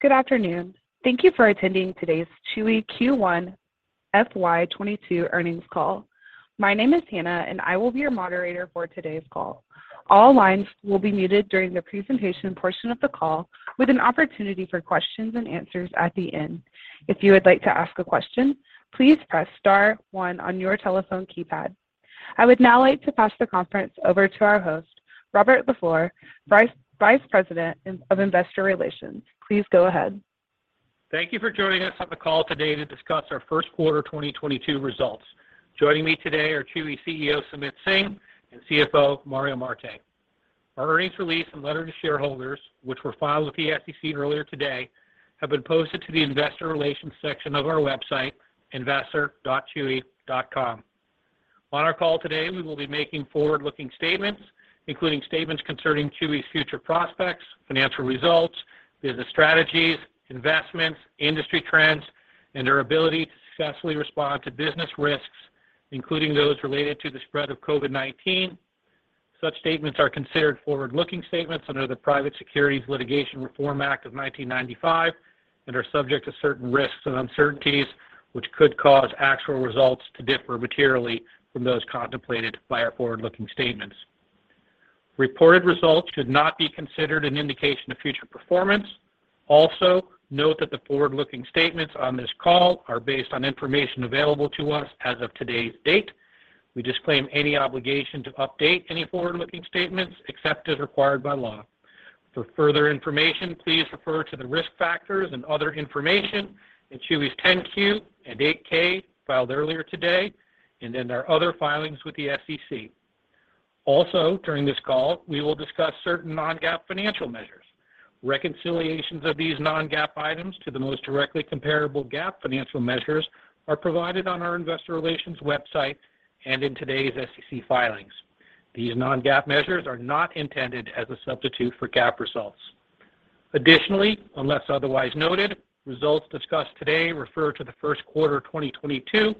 Good afternoon. Thank you for attending today's Chewy Q1 FY 2022 earnings call. My name is Hannah, and I will be your moderator for today's call. All lines will be muted during the presentation portion of the call, with an opportunity for questions and answers at the end. If you would like to ask a question, please press star one on your telephone keypad. I would now like to pass the conference over to our host, Robert LaFleur, Vice President of Investor Relations. Please go ahead. Thank you for joining us on the call today to discuss our first quarter 2022 results. Joining me today are Chewy CEO, Sumit Singh, and CFO, Mario Marte. Our earnings release and letter to shareholders, which were filed with the SEC earlier today, have been posted to the investor relations section of our website, investor.chewy.com. On our call today, we will be making forward-looking statements, including statements concerning Chewy's future prospects, financial results, business strategies, investments, industry trends, and our ability to successfully respond to business risks, including those related to the spread of COVID-19. Such statements are considered forward-looking statements under the Private Securities Litigation Reform Act of 1995 and are subject to certain risks and uncertainties which could cause actual results to differ materially from those contemplated by our forward-looking statements. Reported results should not be considered an indication of future performance. Note that the forward-looking statements on this call are based on information available to us as of today's date. We disclaim any obligation to update any forward-looking statements except as required by law. For further information, please refer to the risk factors and other information in Chewy's 10-Q and 8-K filed earlier today and in our other filings with the SEC. Also, during this call, we will discuss certain non-GAAP financial measures. Reconciliations of these non-GAAP items to the most directly comparable GAAP financial measures are provided on our investor relations website and in today's SEC filings. These non-GAAP measures are not intended as a substitute for GAAP results. Additionally, unless otherwise noted, results discussed today refer to the first quarter of 2022,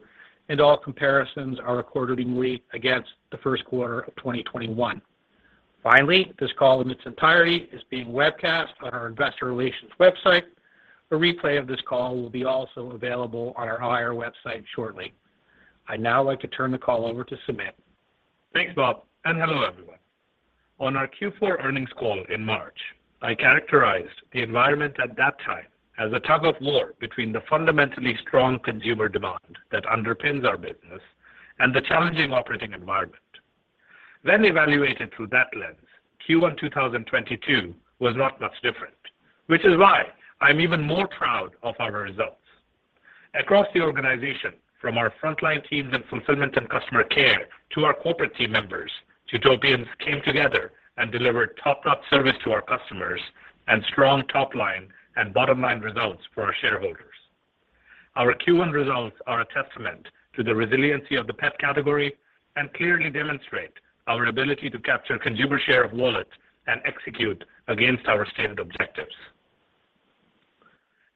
and all comparisons are accordingly against the first quarter of 2021. Finally, this call in its entirety is being webcast on our investor relations website. A replay of this call will be also available on our IR website shortly. I'd now like to turn the call over to Sumit. Thanks, Bob, and hello, everyone. On our Q4 earnings call in March, I characterized the environment at that time as a tug-of-war between the fundamentally strong consumer demand that underpins our business and the challenging operating environment. When evaluated through that lens, Q1 2022 was not much different, which is why I'm even more proud of our results. Across the organization, from our frontline teams in fulfillment and customer care to our corporate team members, Chewtopians came together and delivered top-notch service to our customers and strong top-line and bottom-line results for our shareholders. Our Q1 results are a testament to the resiliency of the pet category and clearly demonstrate our ability to capture consumer share of wallet and execute against our stated objectives.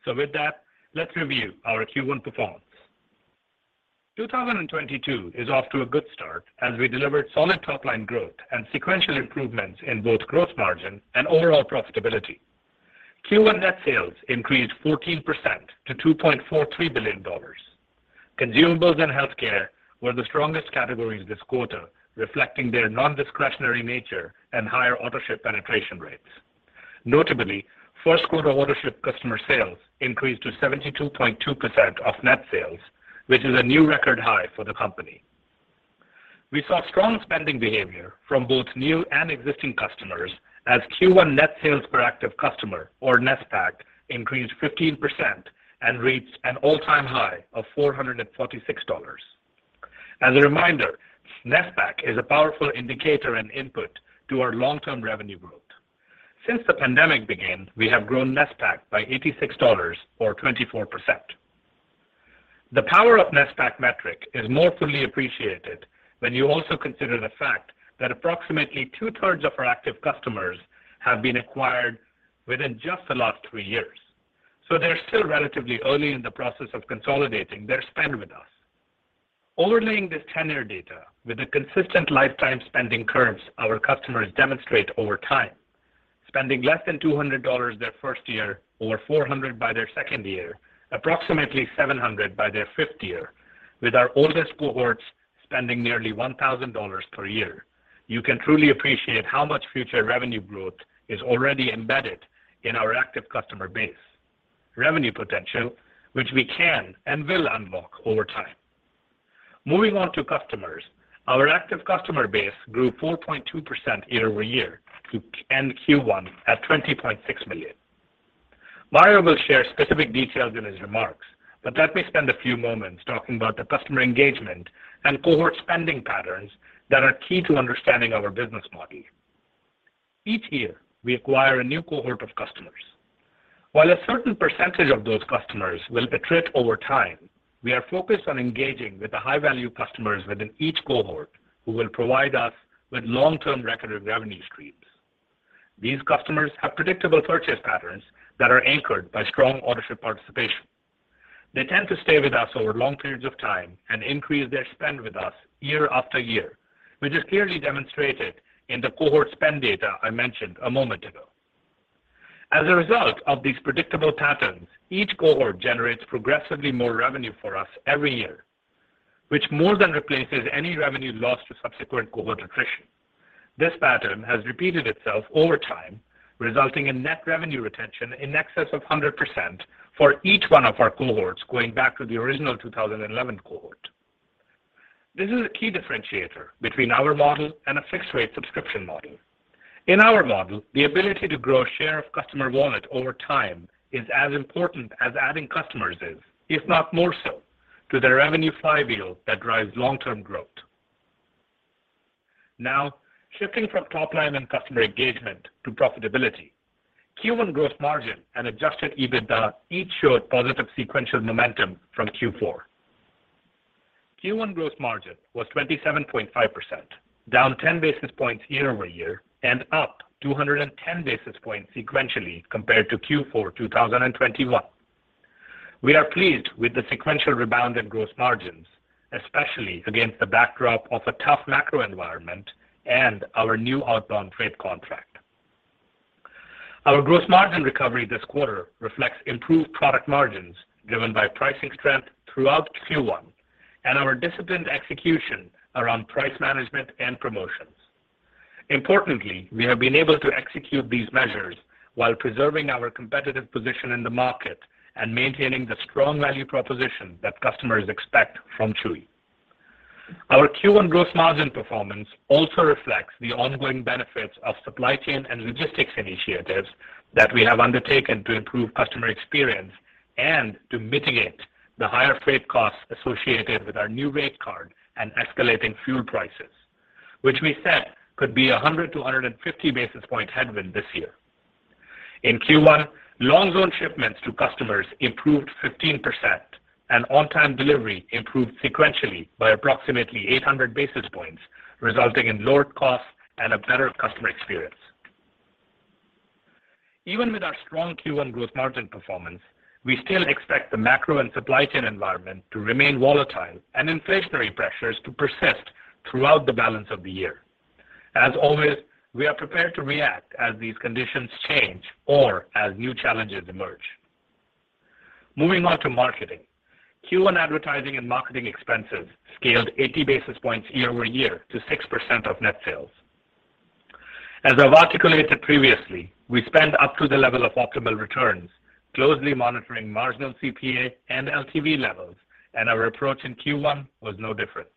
With that, let's review our Q1 performance. 2022 is off to a good start as we delivered solid top-line growth and sequential improvements in both gross margin and overall profitability. Q1 net sales increased 14% to $2.43 billion. Consumables and healthcare were the strongest categories this quarter, reflecting their non-discretionary nature and higher Autoship penetration rates. Notably, first-quarter Autoship customer sales increased to 72.2% of net sales, which is a new record high for the company. We saw strong spending behavior from both new and existing customers as Q1 net sales per active customer or NSPAC increased 15% and reached an all-time high of $446. As a reminder, NSPAC is a powerful indicator and input to our long-term revenue growth. Since the pandemic began, we have grown NSPAC by $86 or 24%. The power of NSPAC metric is more fully appreciated when you also consider the fact that approximately two-thirds of our active customers have been acquired within just the last 3 years. They're still relatively early in the process of consolidating their spend with us. Overlaying this tenure data with the consistent lifetime spending curves our customers demonstrate over time, spending less than $200 their first year, over $400 by their second year, approximately $700 by their fifth year, with our oldest cohorts spending nearly $1,000 per year. You can truly appreciate how much future revenue growth is already embedded in our active customer base. Revenue potential, which we can and will unlock over time. Moving on to customers. Our active customer base grew 4.2% year-over-year to end Q1 at 20.6 million. Mario will share specific details in his remarks, but let me spend a few moments talking about the customer engagement and cohort spending patterns that are key to understanding our business model. Each year, we acquire a new cohort of customers. While a certain percentage of those customers will attrit over time, we are focused on engaging with the high-value customers within each cohort who will provide us with long-term record of revenue streams. These customers have predictable purchase patterns that are anchored by strong Autoship participation. They tend to stay with us over long periods of time and increase their spend with us year after year, which is clearly demonstrated in the cohort spend data I mentioned a moment ago. As a result of these predictable patterns, each cohort generates progressively more revenue for us every year, which more than replaces any revenue lost to subsequent cohort attrition. This pattern has repeated itself over time, resulting in net revenue retention in excess of 100% for each one of our cohorts going back to the original 2011 cohort. This is a key differentiator between our model and a fixed-rate subscription model. In our model, the ability to grow share of customer wallet over time is as important as adding customers is, if not more so, to the revenue flywheel that drives long-term growth. Now, shifting from top line and customer engagement to profitability. Q1 gross margin and adjusted EBITDA each showed positive sequential momentum from Q4. Q1 gross margin was 27.5%, down 10 basis points year-over-year, and up 210 basis points sequentially compared to Q4 2021. We are pleased with the sequential rebound in gross margins, especially against the backdrop of a tough macro environment and our new outbound freight contract. Our gross margin recovery this quarter reflects improved product margins driven by pricing strength throughout Q1 and our disciplined execution around price management and promotions. Importantly, we have been able to execute these measures while preserving our competitive position in the market and maintaining the strong value proposition that customers expect from Chewy. Our Q1 gross margin performance also reflects the ongoing benefits of supply chain and logistics initiatives that we have undertaken to improve customer experience and to mitigate the higher freight costs associated with our new rate card and escalating fuel prices, which we said could be 100-150 basis points headwind this year. In Q1, long-zone shipments to customers improved 15% and on-time delivery improved sequentially by approximately 800 basis points, resulting in lower costs and a better customer experience. Even with our strong Q1 gross margin performance, we still expect the macro and supply chain environment to remain volatile and inflationary pressures to persist throughout the balance of the year. As always, we are prepared to react as these conditions change or as new challenges emerge. Moving on to marketing. Q1 advertising and marketing expenses scaled 80 basis points year-over-year to 6% of net sales. As I've articulated previously, we spend up to the level of optimal returns, closely monitoring marginal CPA and LTV levels, and our approach in Q1 was no different.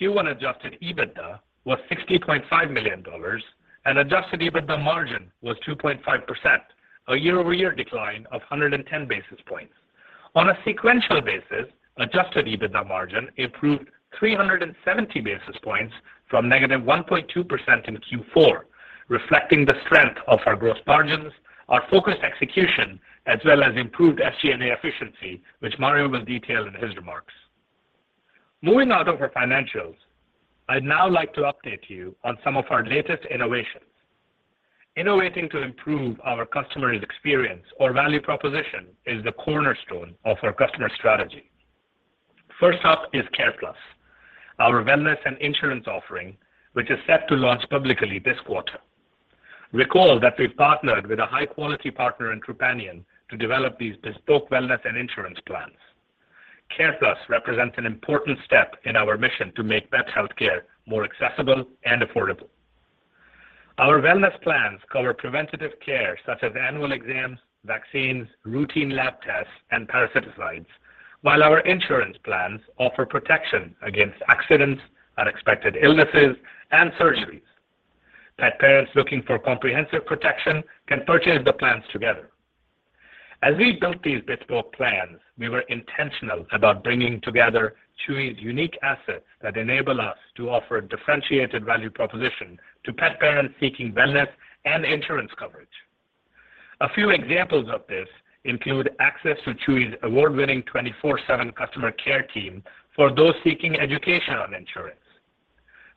Q1 adjusted EBITDA was $60.5 million, and adjusted EBITDA margin was 2.5%, a year-over-year decline of 110 basis points. On a sequential basis, adjusted EBITDA margin improved 370 basis points from -1.2% in Q4, reflecting the strength of our gross margins, our focused execution, as well as improved SG&A efficiency, which Mario will detail in his remarks. Moving out of our financials, I'd now like to update you on some of our latest innovations. Innovating to improve our customers' experience or value proposition is the cornerstone of our customer strategy. First up is CarePlus, our wellness and insurance offering, which is set to launch publicly this quarter. Recall that we've partnered with a high-quality partner in Trupanion to develop these bespoke wellness and insurance plans. CarePlus represents an important step in our mission to make pet healthcare more accessible and affordable. Our wellness plans cover preventative care such as annual exams, vaccines, routine lab tests, and parasiticides, while our insurance plans offer protection against accidents, unexpected illnesses, and surgeries. Pet parents looking for comprehensive protection can purchase the plans together. As we built these bespoke plans, we were intentional about bringing together Chewy's unique assets that enable us to offer a differentiated value proposition to pet parents seeking wellness and insurance coverage. A few examples of this include access to Chewy's award-winning 24/7 customer care team for those seeking education on insurance,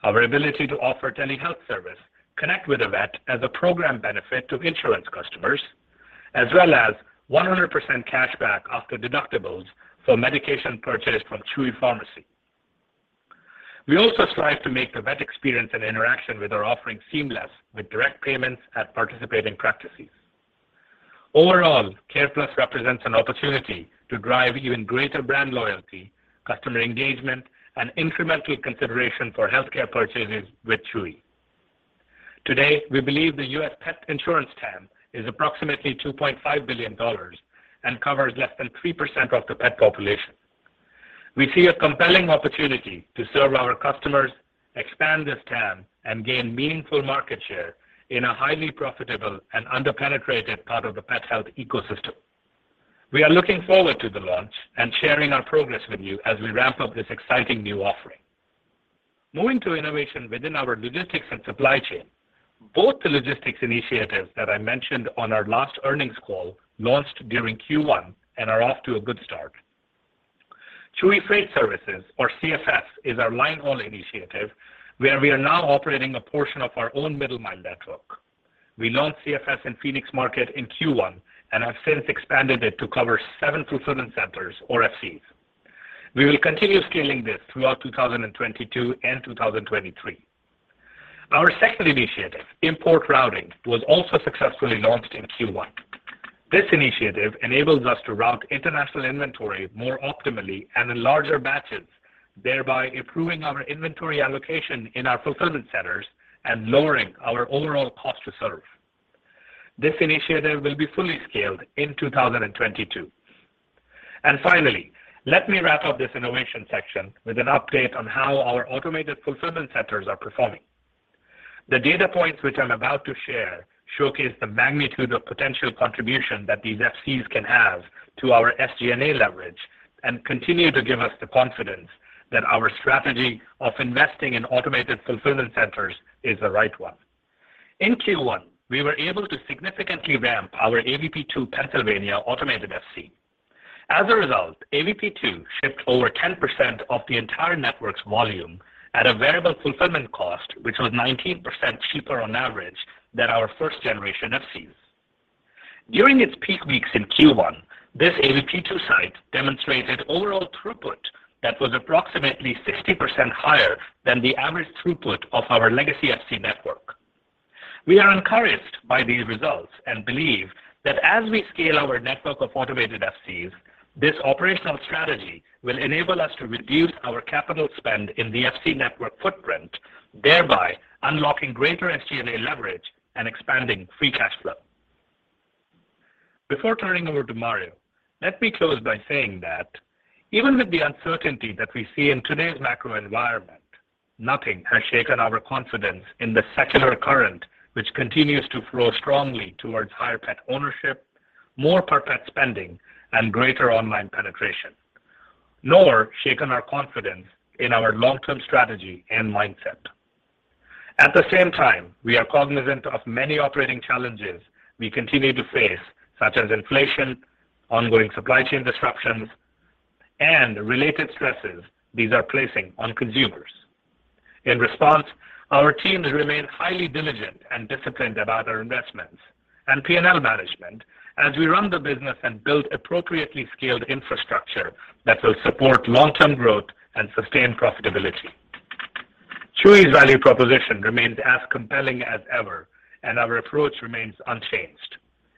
our ability to offer telehealth service, Connect with a Vet as a program benefit to insurance customers, as well as 100% cashback after deductibles for medication purchased from Chewy Pharmacy. We also strive to make the vet experience and interaction with our offerings seamless with direct payments at participating practices. Overall, CarePlus represents an opportunity to drive even greater brand loyalty, customer engagement, and incremental consideration for healthcare purchases with Chewy. Today, we believe the U.S. pet insurance TAM is approximately $2.5 billion and covers less than 3% of the pet population. We see a compelling opportunity to serve our customers, expand this TAM, and gain meaningful market share in a highly profitable and under-penetrated part of the pet health ecosystem. We are looking forward to the launch and sharing our progress with you as we ramp up this exciting new offering. Moving to innovation within our logistics and supply chain. Both the logistics initiatives that I mentioned on our last earnings call launched during Q1 and are off to a good start. Chewy Freight Services or CFS is our linehaul initiative where we are now operating a portion of our own middle mile network. We launched CFS in Phoenix market in Q1 and have since expanded it to cover seven fulfillment centers or FCs. We will continue scaling this throughout 2022 and 2023. Our second initiative, import routing, was also successfully launched in Q1. This initiative enables us to route international inventory more optimally and in larger batches, thereby improving our inventory allocation in our fulfillment centers and lowering our overall cost to serve. This initiative will be fully scaled in 2022. Finally, let me wrap up this innovation section with an update on how our automated fulfillment centers are performing. The data points which I'm about to share showcase the magnitude of potential contribution that these FCs can have to our SG&A leverage and continue to give us the confidence that our strategy of investing in automated fulfillment centers is the right one. In Q1, we were able to significantly ramp our AVP 2 Pennsylvania automated FC. As a result, AVP 2 shipped over 10% of the entire network's volume at a variable fulfillment cost, which was 19% cheaper on average than our first generation FCs. During its peak weeks in Q1, this AVP 2 site demonstrated overall throughput that was approximately 60% higher than the average throughput of our legacy FC network. We are encouraged by these results and believe that as we scale our network of automated FCs, this operational strategy will enable us to reduce our capital spend in the FC network footprint, thereby unlocking greater SG&A leverage and expanding free cash flow. Before turning over to Mario, let me close by saying that even with the uncertainty that we see in today's macro environment, nothing has shaken our confidence in the secular current, which continues to flow strongly towards higher pet ownership, more per pet spending, and greater online penetration. Nor shaken our confidence in our long-term strategy and mindset. At the same time, we are cognizant of many operating challenges we continue to face, such as inflation, ongoing supply chain disruptions, and related stresses these are placing on consumers. In response, our teams remain highly diligent and disciplined about our investments and P&L management as we run the business and build appropriately scaled infrastructure that will support long-term growth and sustain profitability. Chewy's value proposition remains as compelling as ever, and our approach remains unchanged.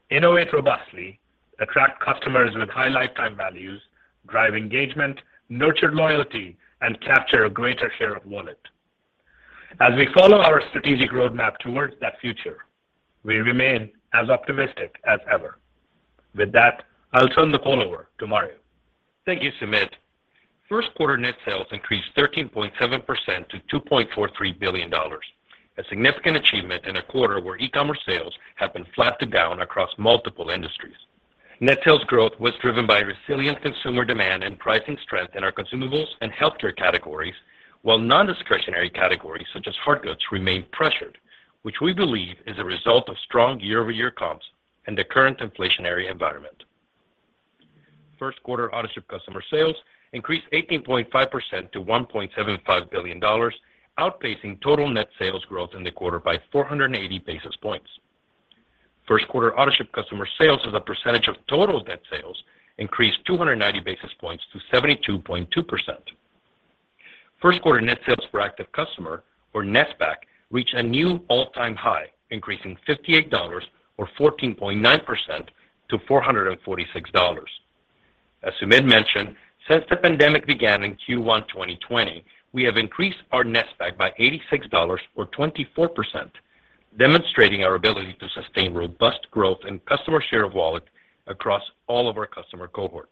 Innovate robustly, attract customers with high lifetime values, drive engagement, nurture loyalty, and capture a greater share of wallet. As we follow our strategic roadmap towards that future, we remain as optimistic as ever. With that, I'll turn the call over to Mario. Thank you, Sumit. First quarter net sales increased 13.7% to $2.43 billion. A significant achievement in a quarter where e-commerce sales have been flat to down across multiple industries. Net sales growth was driven by resilient consumer demand and pricing strength in our consumables and healthcare categories, while non-discretionary categories such as hard goods remained pressured, which we believe is a result of strong year-over-year comps and the current inflationary environment. First quarter Autoship customer sales increased 18.5% to $1.75 billion, outpacing total net sales growth in the quarter by 480 basis points. First quarter Autoship customer sales as a percentage of total net sales increased 290 basis points to 72.2%. First quarter net sales per active customer or NSPAC reached a new all-time high, increasing $58 or 14.9% to $446. As Sumit mentioned, since the pandemic began in Q1 2020, we have increased our NSPAC by $86 or 24%, demonstrating our ability to sustain robust growth in customer share of wallet across all of our customer cohorts.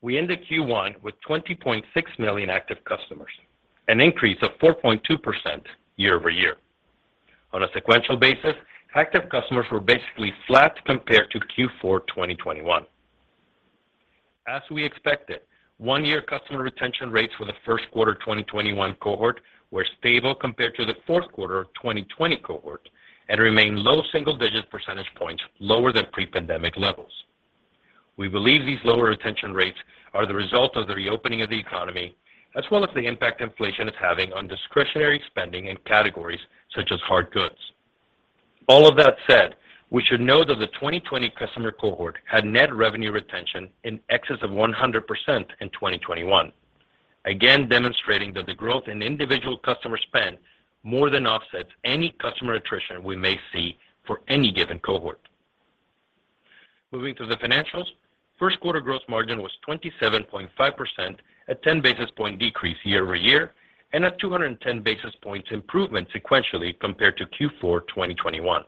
We end the Q1 with 20.6 million active customers, an increase of 4.2% year-over-year. On a sequential basis, active customers were basically flat compared to Q4 2021. As we expected, one-year customer retention rates for the first quarter 2021 cohort were stable compared to the fourth quarter of 2020 cohort and remain low single-digit percentage points lower than pre-pandemic levels. We believe these lower retention rates are the result of the reopening of the economy as well as the impact inflation is having on discretionary spending in categories such as hard goods. All of that said, we should know that the 2020 customer cohort had net revenue retention in excess of 100% in 2021. Again, demonstrating that the growth in individual customer spend more than offsets any customer attrition we may see for any given cohort. Moving to the financials, first quarter gross margin was 27.5% a 10 basis points decrease year-over-year and a 210 basis points improvement sequentially compared to Q4 2021.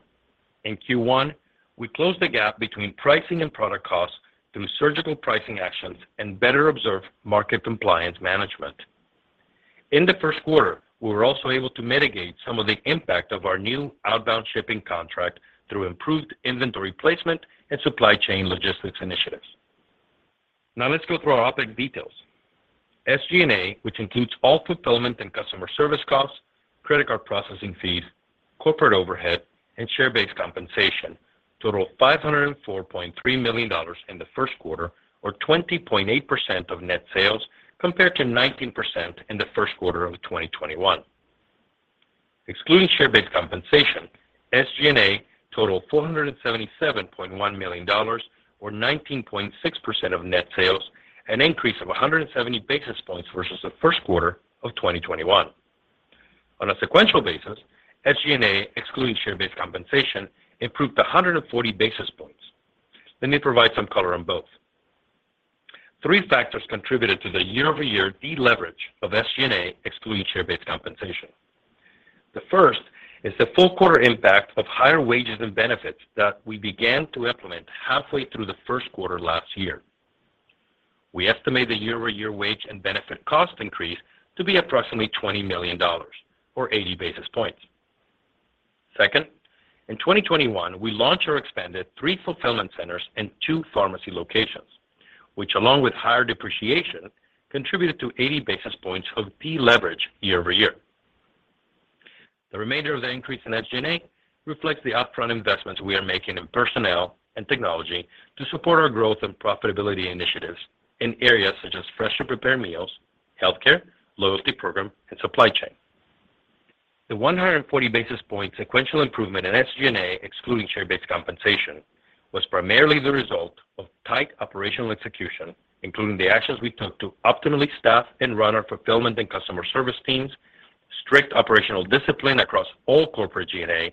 In Q1, we closed the gap between pricing and product costs through surgical pricing actions and better observed market compliance management. In the first quarter, we were also able to mitigate some of the impact of our new outbound shipping contract through improved inventory placement and supply chain logistics initiatives. Now let's go through our OpEx details. SG&A, which includes all fulfillment and customer service costs, credit card processing fees, corporate overhead, and share-based compensation, totaled $504.3 million in the first quarter or 20.8% of net sales compared to 19% in the first quarter of 2021. Excluding share-based compensation, SG&A totaled $477.1 million or 19.6% of net sales, an increase of 170 basis points versus the first quarter of 2021. On a sequential basis, SG&A, excluding share-based compensation, improved 140 basis points. Let me provide some color on both. Three factors contributed to the year-over-year deleverage of SG&A, excluding share-based compensation. The first is the full quarter impact of higher wages and benefits that we began to implement halfway through the first quarter last year. We estimate the year-over-year wage and benefit cost increase to be approximately $20 million or 80 basis points. Second, in 2021, we launched or expanded three fulfillment centers and two pharmacy locations, which, along with higher depreciation, contributed to 80 basis points of deleverage year-over-year. The remainder of the increase in SG&A reflects the upfront investments we are making in personnel and technology to support our growth and profitability initiatives in areas such as freshly prepared meals, healthcare, loyalty program, and supply chain. The 140 basis points sequential improvement in SG&A, excluding share-based compensation, was primarily the result of tight operational execution, including the actions we took to optimally staff and run our fulfillment and customer service teams, strict operational discipline across all corporate G&A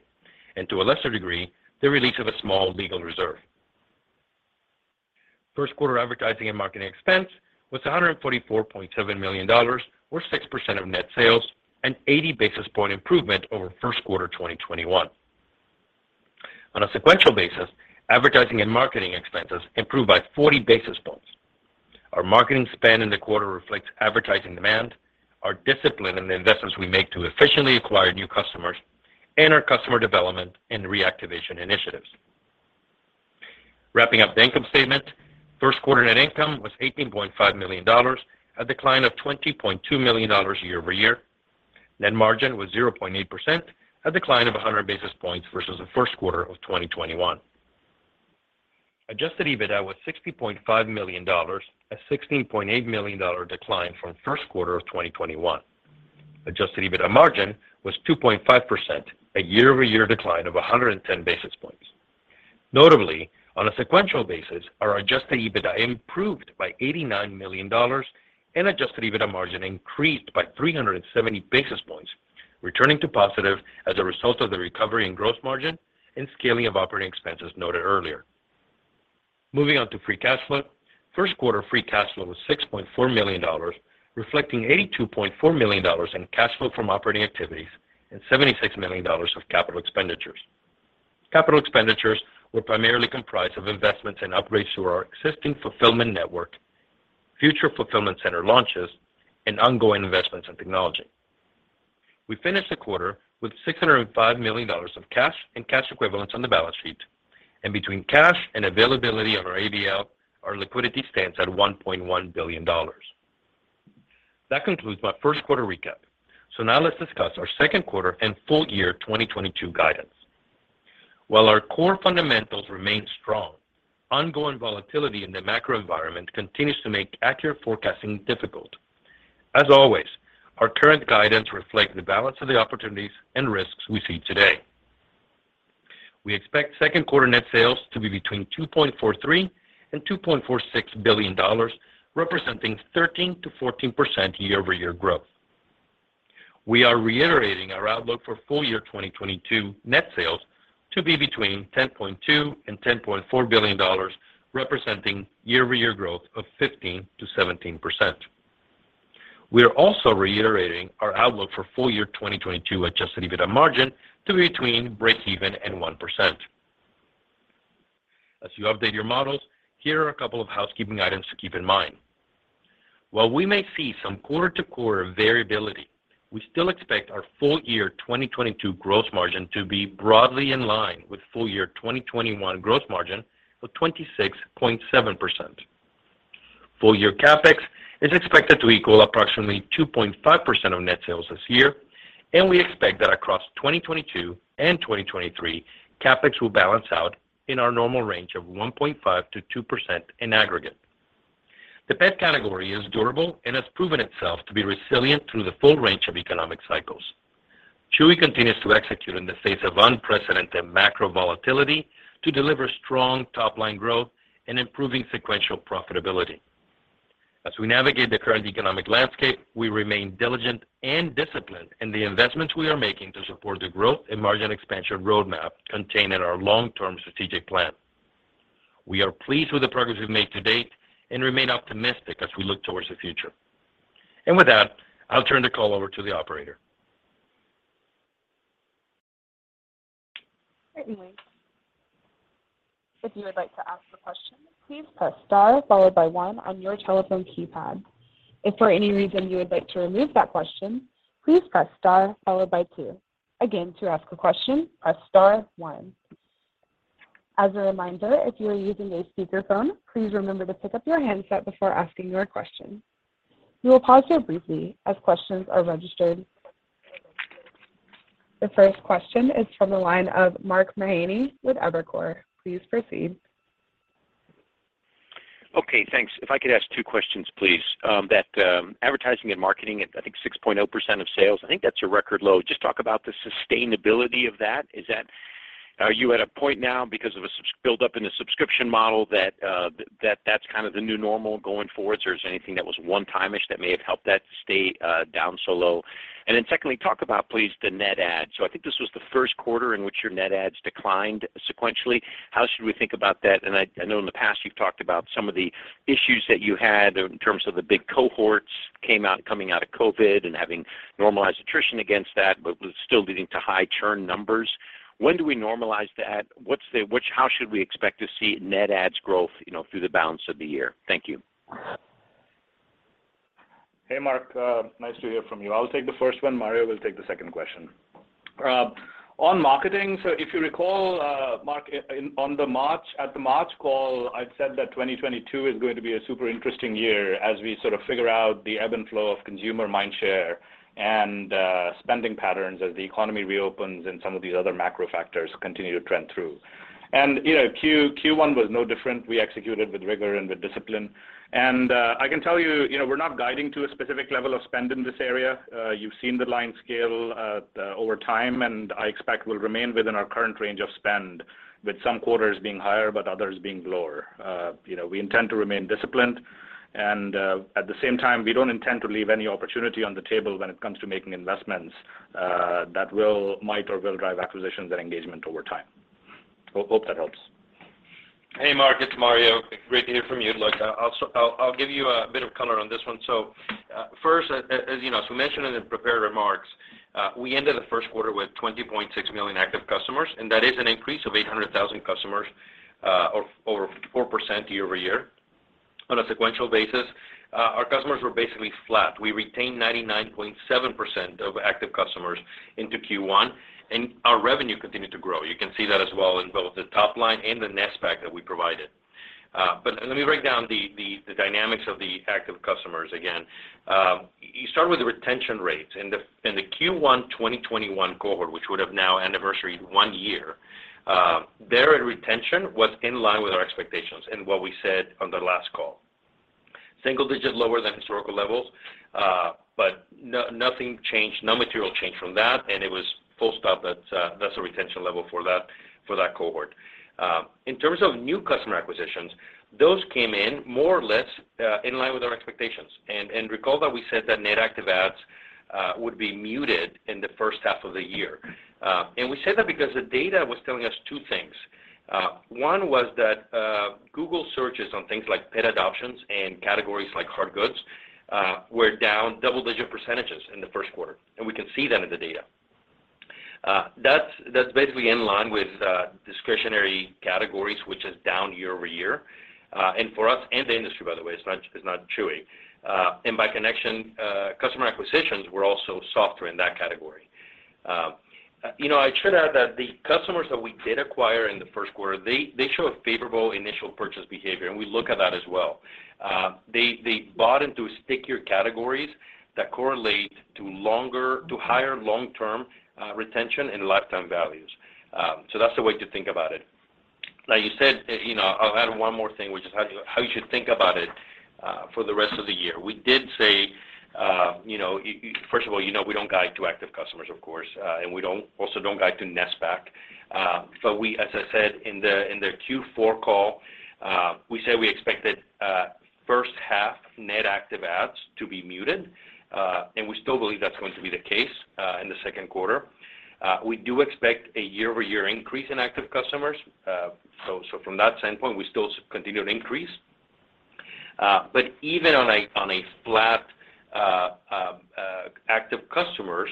and, to a lesser degree, the release of a small legal reserve. First quarter advertising and marketing expense was $144.7 million or 6% of net sales, an 80 basis points improvement over first quarter 2021. On a sequential basis, advertising and marketing expenses improved by 40 basis points. Our marketing spend in the quarter reflects advertising demand, our discipline in the investments we make to efficiently acquire new customers, and our customer development and reactivation initiatives. Wrapping up the income statement, first quarter net income was $18.5 million, a decline of $20.2 million year-over-year. Net margin was 0.8%, a decline of 100 basis points versus the first quarter of 2021. Adjusted EBITDA was $60.5 million, a $16.8 million decline from first quarter of 2021. Adjusted EBITDA margin was 2.5%, a year-over-year decline of 110 basis points. Notably, on a sequential basis, our adjusted EBITDA improved by $89 million and adjusted EBITDA margin increased by 370 basis points, returning to positive as a result of the recovery in gross margin and scaling of operating expenses noted earlier. Moving on to free cash flow. First quarter free cash flow was $6.4 million, reflecting $82.4 million in cash flow from operating activities and $76 million of capital expenditures. Capital expenditures were primarily comprised of investments and upgrades to our existing fulfillment network, future fulfillment center launches, and ongoing investments in technology. We finished the quarter with $605 million of cash and cash equivalents on the balance sheet. Between cash and availability on our ABL, our liquidity stands at $1.1 billion. That concludes my first quarter recap. Now let's discuss our second quarter and full year 2022 guidance. While our core fundamentals remain strong, ongoing volatility in the macro environment continues to make accurate forecasting difficult. As always, our current guidance reflects the balance of the opportunities and risks we see today. We expect second quarter net sales to be between $2.43 billion and $2.46 billion, representing 13%-14% year-over-year growth. We are reiterating our outlook for full year 2022 net sales to be between $10.2 billion and $10.4 billion, representing year-over-year growth of 15%-17%. We are also reiterating our outlook for full year 2022 adjusted EBITDA margin to be between breakeven and 1%. As you update your models, here are a couple of housekeeping items to keep in mind. While we may see some quarter-to-quarter variability, we still expect our full year 2022 gross margin to be broadly in line with full year 2021 gross margin of 26.7%. Full year CapEx is expected to equal approximately 2.5% of net sales this year, and we expect that across 2022 and 2023, CapEx will balance out in our normal range of 1.5%-2% in aggregate. The pet category is durable and has proven itself to be resilient through the full range of economic cycles. Chewy continues to execute in the face of unprecedented macro volatility to deliver strong top-line growth and improving sequential profitability. As we navigate the current economic landscape, we remain diligent and disciplined in the investments we are making to support the growth and margin expansion roadmap contained in our long-term strategic plan. We are pleased with the progress we've made to date and remain optimistic as we look towards the future. With that, I'll turn the call over to the operator. Certainly. If you would like to ask a question, please press star followed by one on your telephone keypad. If for any reason you would like to remove that question, please press star followed by two. Again, to ask a question, press star one. As a reminder, if you are using a speakerphone, please remember to pick up your handset before asking your question. We will pause here briefly as questions are registered. The first question is from the line of Mark Mahaney with Evercore. Please proceed. Okay, thanks. If I could ask two questions, please. That advertising and marketing at, I think, 6.0% of sales, I think that's a record low. Just talk about the sustainability of that. Are you at a point now because of a subscription build-up in the subscription model that that's kind of the new normal going forwards, or is there anything that was one-time-ish that may have helped that stay down so low? Secondly, talk about, please, the net adds. I think this was the first quarter in which your net adds declined sequentially. How should we think about that? I know in the past you've talked about some of the issues that you had in terms of the big cohorts came out, coming out of COVID and having normalized attrition against that, but was still leading to high churn numbers. When do we normalize that? How should we expect to see net adds growth, you know, through the balance of the year? Thank you. Hey, Mark. Nice to hear from you. I'll take the first one, Mario will take the second question. On marketing, so if you recall, Mark, on the March, at the March call, I'd said that 2022 is going to be a super interesting year as we sort of figure out the ebb and flow of consumer mind share and spending patterns as the economy reopens and some of these other macro factors continue to trend through. You know, Q1 was no different. We executed with rigor and with discipline. I can tell you know, we're not guiding to a specific level of spend in this area. You've seen the line scale over time, and I expect will remain within our current range of spend with some quarters being higher, but others being lower. You know, we intend to remain disciplined, and at the same time, we don't intend to leave any opportunity on the table when it comes to making investments that will, might or will drive acquisitions and engagement over time. Hope that helps. Hey, Mark Mahaney, it's Mario Marte. Great to hear from you. Look, I'll give you a bit of color on this one. First, as you know, as we mentioned in the prepared remarks, we ended the first quarter with 20.6 million active customers, and that is an increase of 800,000 customers, or over 4% year-over-year. On a sequential basis, our customers were basically flat. We retained 99.7% of active customers into Q1, and our revenue continued to grow. You can see that as well in both the top line and the NSPAC that we provided. But let me break down the dynamics of the active customers again. You start with the retention rates. In the Q1 2021 cohort, which would have now anniversaried one year, their retention was in line with our expectations and what we said on the last call. Single-digit lower than historical levels, but nothing changed, no material changed from that, and it was full stop. That's the retention level for that cohort. In terms of new customer acquisitions, those came in more or less in line with our expectations. Recall that we said that net active adds would be muted in the first half of the year. We say that because the data was telling us two things. One was that Google searches on things like pet adoptions and categories like hard goods were down double-digit percentages in the first quarter, and we can see that in the data. That's basically in line with discretionary categories, which is down year-over-year. For us, and the industry, by the way, it's not Chewy. By connection, customer acquisitions were also softer in that category. You know, I should add that the customers that we did acquire in the first quarter, they show a favorable initial purchase behavior, and we look at that as well. They bought into stickier categories that correlate to longer to higher long-term retention and lifetime values. So that's the way to think about it. Like you said, you know, I'll add one more thing, which is how you should think about it for the rest of the year. We did say, you know, first of all, you know we don't guide to active customers, of course, and we also don't guide to net NSPAC. But we, as I said in the Q4 call, we said we expected first half net active adds to be muted, and we still believe that's going to be the case in the second quarter. We do expect a year-over-year increase in active customers. So from that standpoint, we still continue to increase. But even on a flat active customers,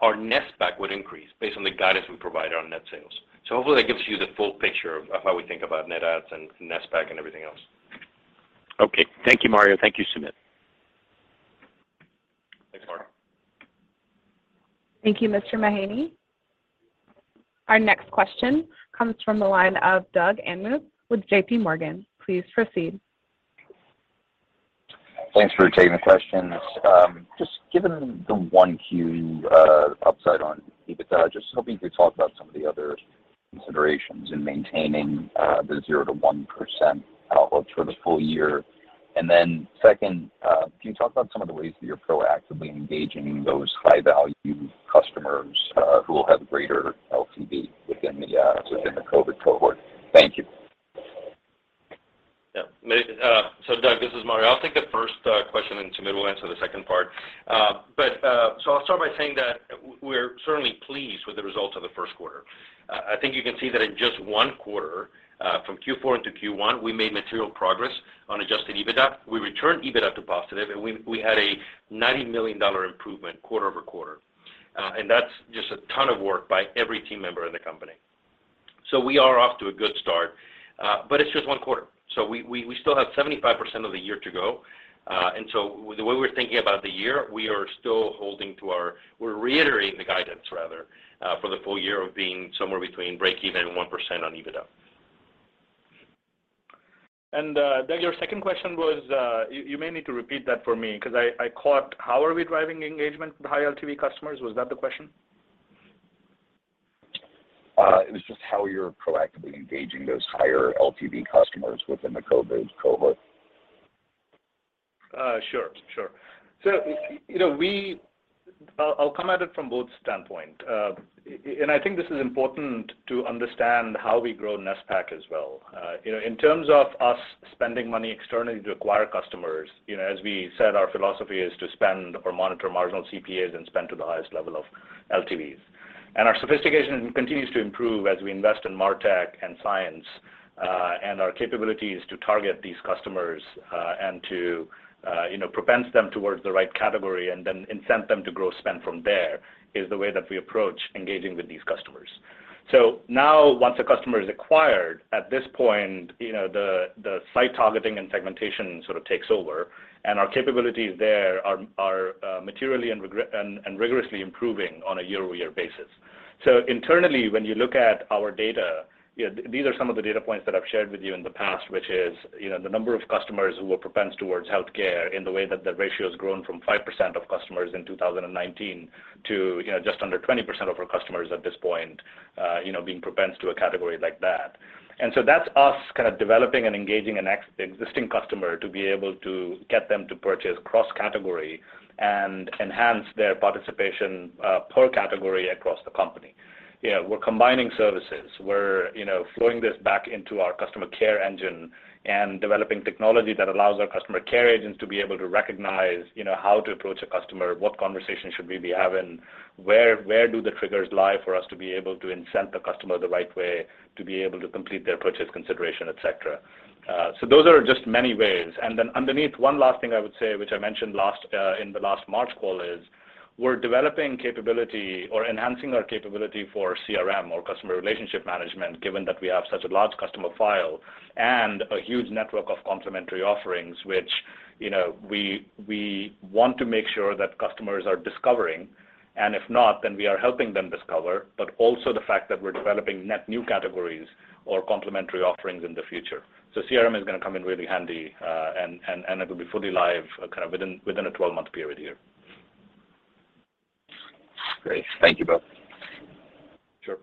our net NSPAC would increase based on the guidance we provided on net sales. Hopefully that gives you the full picture of how we think about net adds and NSPAC and everything else. Okay. Thank you, Mario. Thank you, Sumit. Thanks, Mark. Thank you, Mr. Mahaney. Our next question comes from the line of Doug Anmuth with JPMorgan. Please proceed. Thanks for taking the questions. Just given the 1Q upside on EBITDA, just hoping you could talk about some of the other considerations in maintaining the 0%-1% outlook for the full year. Second, can you talk about some of the ways that you're proactively engaging those high-value customers who will have greater LTV within the COVID cohort? Thank you. Yeah. So Doug, this is Mario. I'll take the first question, and Sumit will answer the second part. I'll start by saying that we're certainly pleased with the results of the first quarter. I think you can see that in just one quarter, from Q4 into Q1, we made material progress on adjusted EBITDA. We returned EBITDA to positive, and we had a $90 million improvement quarter-over-quarter. That's just a ton of work by every team member in the company. We are off to a good start. It's just one quarter. We still have 75% of the year to go. The way we're thinking about the year, we're reiterating the guidance rather for the full year of being somewhere between breakeven 1% on EBITDA. Then your second question was, you may need to repeat that for me because I caught how are we driving engagement with high LTV customers? Was that the question? It was just how you're proactively engaging those higher LTV customers within the COVID cohort. Sure. You know, I'll come at it from both standpoints. I think this is important to understand how we grow NSPAC as well. You know, in terms of us spending money externally to acquire customers, you know, as we said, our philosophy is to monitor marginal CPAs and spend to the highest level of LTVs. Our sophistication continues to improve as we invest in MarTech and science, and our capabilities to target these customers, and to position them towards the right category and then incent them to grow spend from there is the way that we approach engaging with these customers. Now once a customer is acquired, at this point, you know, the site targeting and segmentation sort of takes over, and our capabilities there are materially and rigorously improving on a year-over-year basis. Internally, when you look at our data, you know, these are some of the data points that I've shared with you in the past, which is, you know, the number of customers who are propened towards healthcare in the way that the ratio has grown from 5% of customers in 2019 to, you know, just under 20% of our customers at this point, you know, being propened to a category like that. That's us kind of developing and engaging an existing customer to be able to get them to purchase cross-category and enhance their participation per category across the company. You know, we're combining services. We're, you know, flowing this back into our customer care engine and developing technology that allows our customer care agents to be able to recognize, you know, how to approach a customer, what conversation should we be having, where do the triggers lie for us to be able to incent the customer the right way to be able to complete their purchase consideration, et cetera. Those are just many ways. Underneath, one last thing I would say, which I mentioned last in the last March call, is we're developing capability or enhancing our capability for CRM or customer relationship management, given that we have such a large customer file and a huge network of complementary offerings, which, you know, we want to make sure that customers are discovering. If not, we are helping them discover, but also the fact that we're developing net new categories or complementary offerings in the future. CRM is gonna come in really handy, and it will be fully live kind of within a 12-month period here. Great. Thank you, Bob. Sure.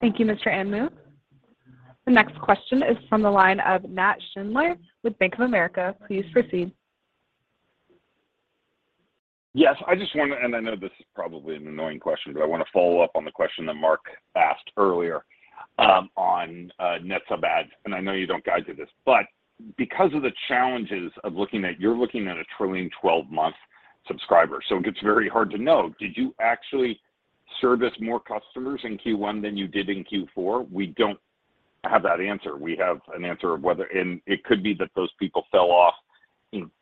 Thank you, Mr. Anmuth. The next question is from the line of Nat Schindler with Bank of America. Please proceed. Yes. I just want to know this is probably an annoying question, but I want to follow up on the question that Mark asked earlier, on net sub adds, and I know you don't guide to this. Because of the challenges of looking at a trailing twelve-month subscriber, so it gets very hard to know, did you actually service more customers in Q1 than you did in Q4? We don't have that answer. We have an answer of whether it could be that those people fell off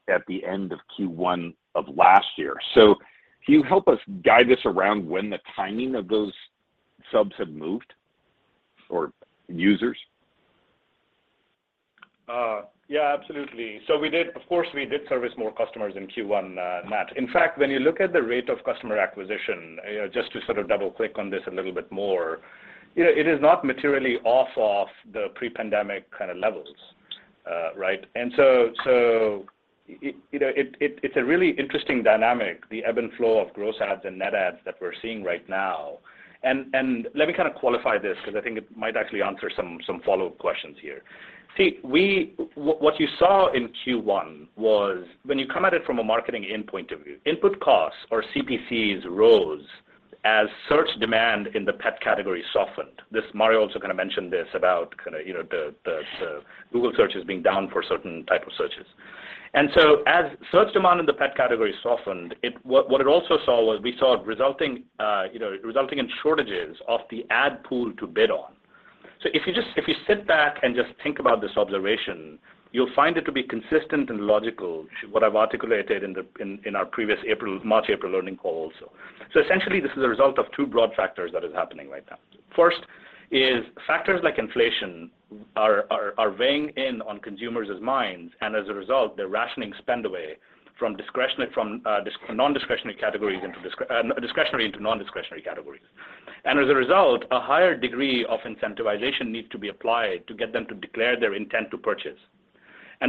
at the end of Q1 of last year. Can you help us guide us around when the timing of those subs have moved or users? Yeah, absolutely. Of course, we did service more customers in Q1, Matt. In fact, when you look at the rate of customer acquisition, you know, just to sort of double-click on this a little bit more, you know, it is not materially off of the pre-pandemic kind of levels, right? It's a really interesting dynamic, the ebb and flow of gross adds and net adds that we're seeing right now. Let me kind of qualify this because I think it might actually answer some follow-up questions here. What you saw in Q1 was when you come at it from a marketing end point of view, input costs or CPCs rose as search demand in the pet category softened. Mario also kind of mentioned this about kind of, you know, the Google searches being down for certain type of searches. As search demand in the pet category softened, what it also saw was we saw it resulting in shortages of the ad pool to bid on. If you sit back and just think about this observation, you'll find it to be consistent and logical to what I've articulated in our previous March, April earnings call also. Essentially, this is a result of two broad factors that is happening right now. First is factors like inflation are weighing in on consumers' minds, and as a result, they're rationing spend away from discretionary categories into non-discretionary categories. As a result, a higher degree of incentivization needs to be applied to get them to declare their intent to purchase.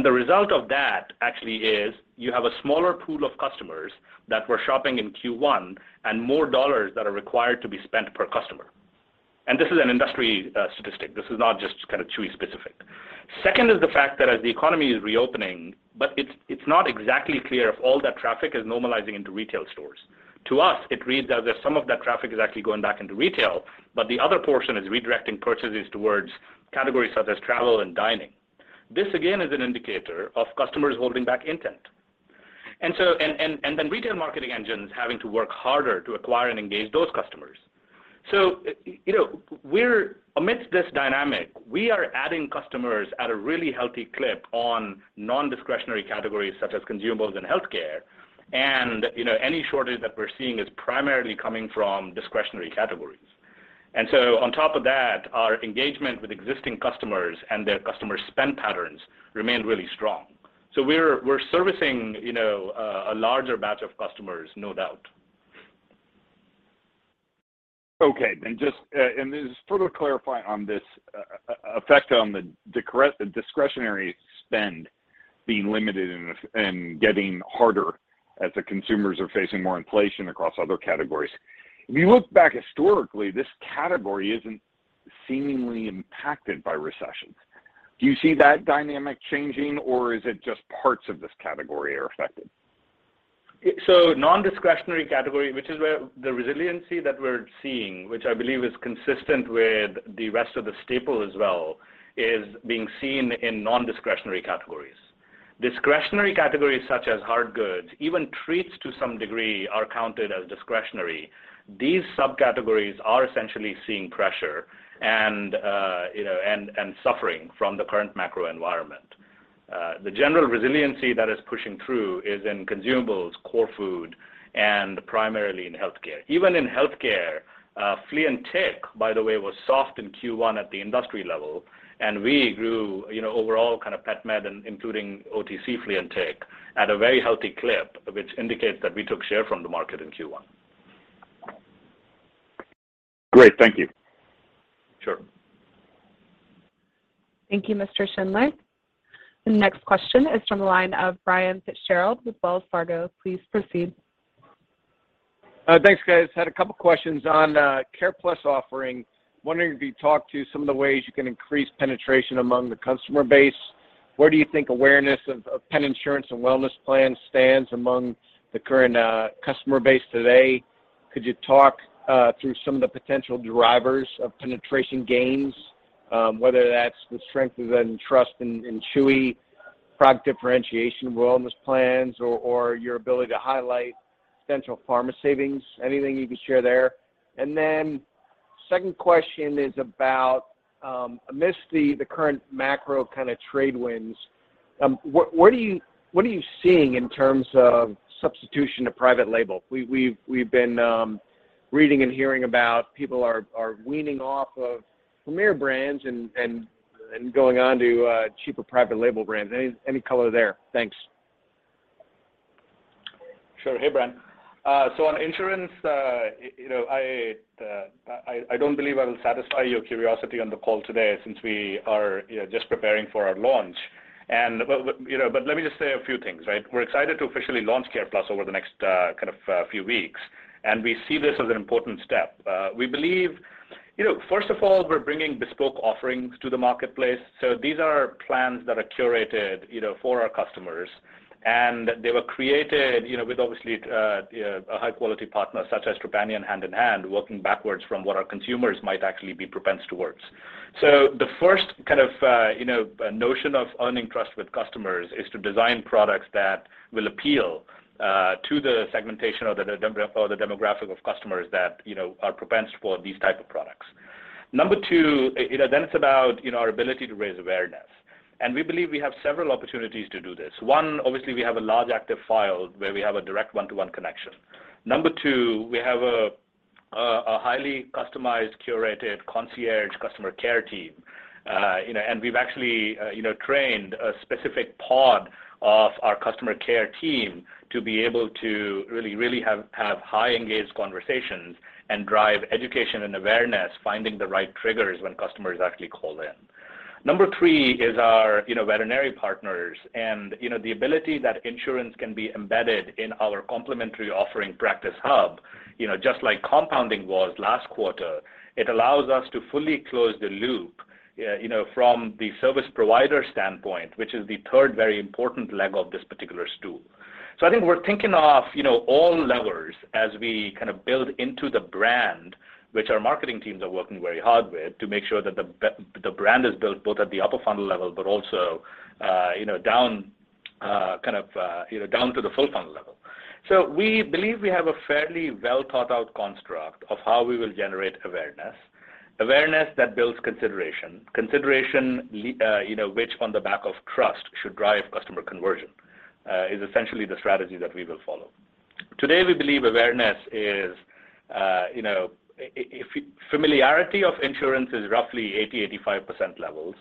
The result of that actually is you have a smaller pool of customers that were shopping in Q1 and more dollars that are required to be spent per customer. This is an industry statistic. This is not just kind of Chewy specific. Second is the fact that as the economy is reopening, but it's not exactly clear if all that traffic is normalizing into retail stores. To us, it reads that there's some of that traffic is actually going back into retail, but the other portion is redirecting purchases towards categories such as travel and dining. This again is an indicator of customers holding back intent. Retail marketing engines having to work harder to acquire and engage those customers. You know, amidst this dynamic, we are adding customers at a really healthy clip on non-discretionary categories such as consumables and healthcare. You know, any shortage that we're seeing is primarily coming from discretionary categories. On top of that, our engagement with existing customers and their customer spend patterns remain really strong. We're servicing, you know, a larger batch of customers, no doubt. Okay. Just further clarify on this, effect on the discretionary spend being limited and getting harder as the consumers are facing more inflation across other categories. If you look back historically, this category isn't seemingly impacted by recessions. Do you see that dynamic changing or is it just parts of this category are affected? Non-discretionary category, which is where the resiliency that we're seeing, which I believe is consistent with the rest of the staple as well, is being seen in non-discretionary categories. Discretionary categories such as hard goods, even treats to some degree are counted as discretionary. These subcategories are essentially seeing pressure and, you know, and suffering from the current macro environment. The general resiliency that is pushing through is in consumables, core food, and primarily in healthcare. Even in healthcare, flea and tick, by the way, was soft in Q1 at the industry level, and we grew, you know, overall kind of pet med, including OTC flea and tick at a very healthy clip, which indicates that we took share from the market in Q1. Great. Thank you. Sure. Thank you, Mr. Schindler. The next question is from the line of Brian Fitzgerald with Wells Fargo. Please proceed. Thanks, guys. Had a couple questions on CarePlus offering. Wondering if you talk to some of the ways you can increase penetration among the customer base. Where do you think awareness of pet insurance and wellness plan stands among the current customer base today? Could you talk through some of the potential drivers of penetration gains, whether that's the strength and trust in Chewy, product differentiation, wellness plans or your ability to highlight potential pharma savings? Anything you can share there. Second question is about, amidst the current macro kinda trade winds, what are you seeing in terms of substitution to private label? We've been reading and hearing about people are weaning off of premier brands and going on to cheaper private label brands. Anmuth, any color there? Thanks. Sure. Hey, Brian. On insurance, you know, I don't believe I will satisfy your curiosity on the call today since we are, you know, just preparing for our launch. You know, let me just say a few things, right? We're excited to officially launch CarePlus over the next kind of few weeks, and we see this as an important step. We believe, you know, first of all, we're bringing bespoke offerings to the marketplace. These are plans that are curated, you know, for our customers, and they were created, you know, with obviously, you know, a high-quality partner such as Trupanion hand-in-hand, working backwards from what our consumers might actually be disposed towards. The first kind of, you know, notion of earning trust with customers is to design products that will appeal to the segmentation or the demographic of customers that, you know, are predisposed for these type of products. Number two, you know, then it's about, you know, our ability to raise awareness. We believe we have several opportunities to do this. One, obviously, we have a large active file where we have a direct one-to-one connection. Number two, we have a highly customized, curated concierge customer care team. You know, and we've actually, you know, trained a specific pod of our customer care team to be able to really have highly engaged conversations and drive education and awareness, finding the right triggers when customers actually call in. Number three is our, you know, veterinary partners and, you know, the ability that insurance can be embedded in our complementary offering Practice Hub, you know, just like compounding was last quarter. It allows us to fully close the loop, you know, from the service provider standpoint, which is the third very important leg of this particular stool. I think we're thinking of, you know, all levers as we kind of build into the brand, which our marketing teams are working very hard with to make sure that the brand is built both at the upper funnel level, but also, you know, down, kind of, you know, down to the full funnel level. We believe we have a fairly well thought out construct of how we will generate awareness. Awareness that builds consideration. Consideration, you know, which on the back of trust should drive customer conversion, is essentially the strategy that we will follow. Today, we believe awareness is. If familiarity of insurance is roughly 80-85% levels,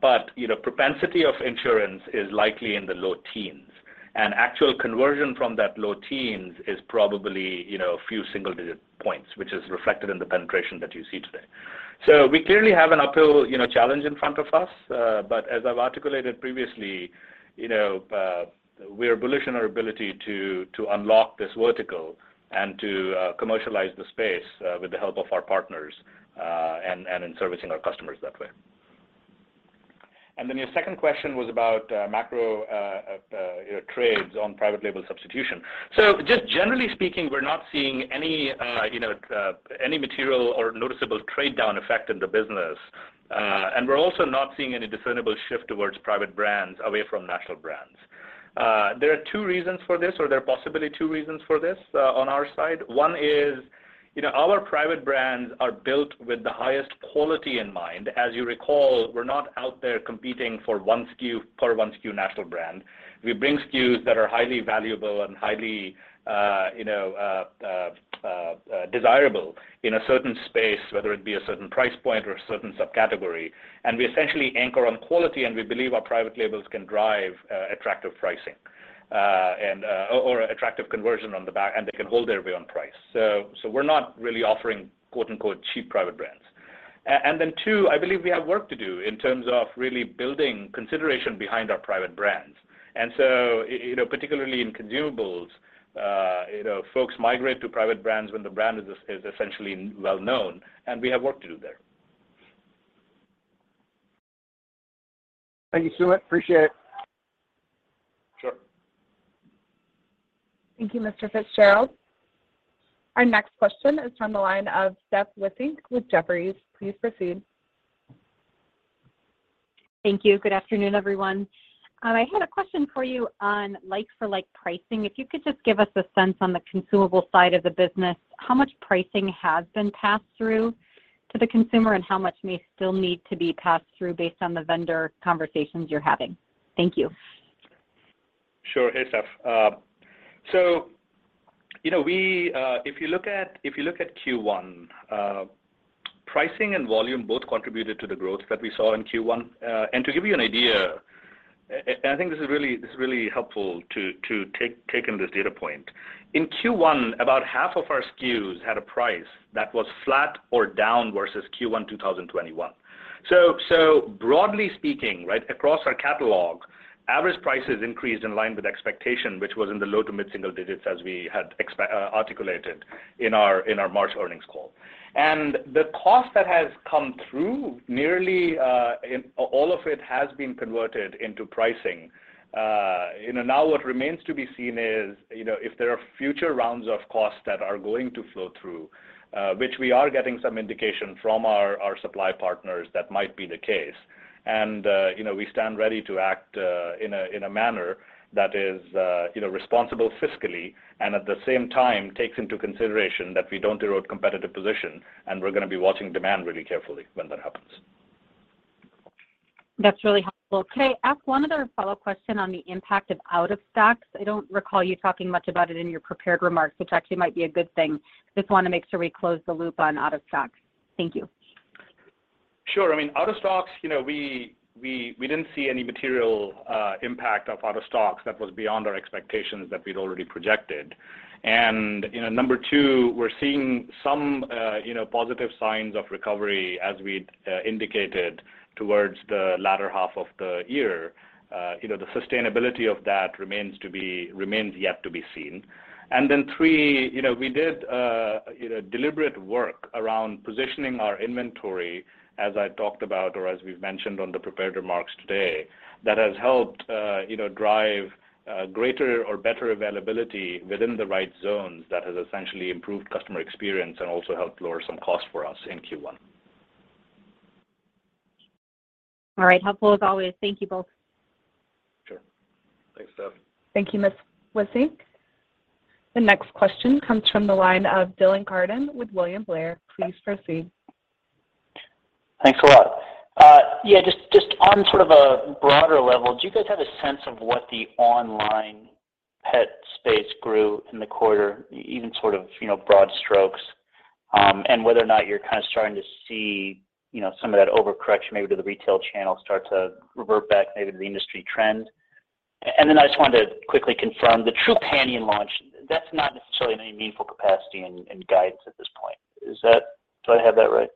but, you know, propensity of insurance is likely in the low teens. Actual conversion from that low teens is probably, you know, a few single-digit points, which is reflected in the penetration that you see today. We clearly have an uphill, you know, challenge in front of us, but as I've articulated previously, you know, we're bullish on our ability to unlock this vertical and to commercialize the space, with the help of our partners, and in servicing our customers that way. Then your second question was about macro, you know, trades on private label substitution. Just generally speaking, we're not seeing any, you know, any material or noticeable trade-down effect in the business. We're also not seeing any discernible shift towards private brands away from national brands. There are two reasons for this, or there are possibly two reasons for this, on our side. One is, you know, our private brands are built with the highest quality in mind. As you recall, we're not out there competing for one SKU per one SKU national brand. We bring SKUs that are highly valuable and highly, you know, desirable in a certain space, whether it be a certain price point or a certain subcategory. We essentially anchor on quality, and we believe our private labels can drive attractive pricing and attractive conversion on the back, and they can hold their own on price. We're not really offering quote, unquote, "cheap private brands." Two, I believe we have work to do in terms of really building consideration behind our private brands. You know, particularly in consumables, you know, folks migrate to private brands when the brand is essentially well-known, and we have work to do there. Thank you, Sumit. Appreciate it. Sure. Thank you, Mr. Fitzgerald. Our next question is from the line of Steph Wissink with Jefferies. Please proceed. Thank you. Good afternoon, everyone. I had a question for you on like-for-like pricing. If you could just give us a sense on the consumable side of the business, how much pricing has been passed through to the consumer, and how much may still need to be passed through based on the vendor conversations you're having? Thank you. Sure. Hey, Steph. So you know, if you look at Q1, pricing and volume both contributed to the growth that we saw in Q1. And to give you an idea, and I think this is really helpful to take in this data point. In Q1, about half of our SKUs had a price that was flat or down versus Q1 2021. So broadly speaking, right, across our catalog, average prices increased in line with expectation, which was in the low to mid-single digits as we had articulated in our March earnings call. The cost that has come through, nearly all of it has been converted into pricing. You know, now what remains to be seen is, you know, if there are future rounds of costs that are going to flow through, which we are getting some indication from our supply partners that might be the case. You know, we stand ready to act, in a manner that is, you know, responsible fiscally and at the same time takes into consideration that we don't erode competitive position, and we're gonna be watching demand really carefully when that happens. That's really helpful. Could I ask one other follow-up question on the impact of out-of-stocks? I don't recall you talking much about it in your prepared remarks, which actually might be a good thing. Just wanna make sure we close the loop on out-of-stocks. Thank you. Sure. I mean, out-of-stocks, you know, we didn't see any material impact of out-of-stocks that was beyond our expectations that we'd already projected. Number two, you know, we're seeing some positive signs of recovery as we'd indicated towards the latter half of the year. You know, the sustainability of that remains yet to be seen. Then three, you know, we did deliberate work around positioning our inventory, as I talked about or as we've mentioned on the prepared remarks today, that has helped drive greater or better availability within the right zones that has essentially improved customer experience and also helped lower some costs for us in Q1. All right. Helpful as always. Thank you both. Sure. Thanks, Steph. Thank you, Ms. Wissink. The next question comes from the line of Dylan Carden with William Blair. Please proceed. Thanks a lot. Yeah, just on sort of a broader level, do you guys have a sense of what the online pet space grew in the quarter, even sort of, you know, broad strokes, and whether or not you're kind of starting to see, you know, some of that overcorrection maybe to the retail channel start to revert back maybe to the industry trend? Then I just wanted to quickly confirm the True Pantry launch. That's not necessarily in any meaningful capacity in guidance at this point. Do I have that right?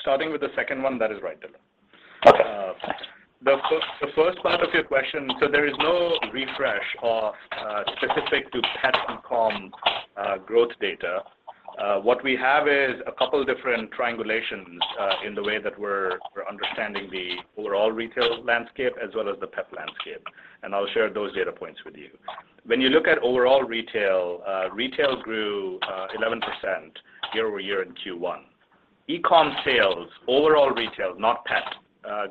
Starting with the second one, that is right, Dylan. Okay. Thanks. The first part of your question, there is no refresh of, specific to pet e-com, growth data. What we have is a couple different triangulations, in the way that we're understanding the overall retail landscape as well as the pet landscape, and I'll share those data points with you. When you look at overall retail grew 11% year-over-year in Q1. E-com sales, overall retail, not pet,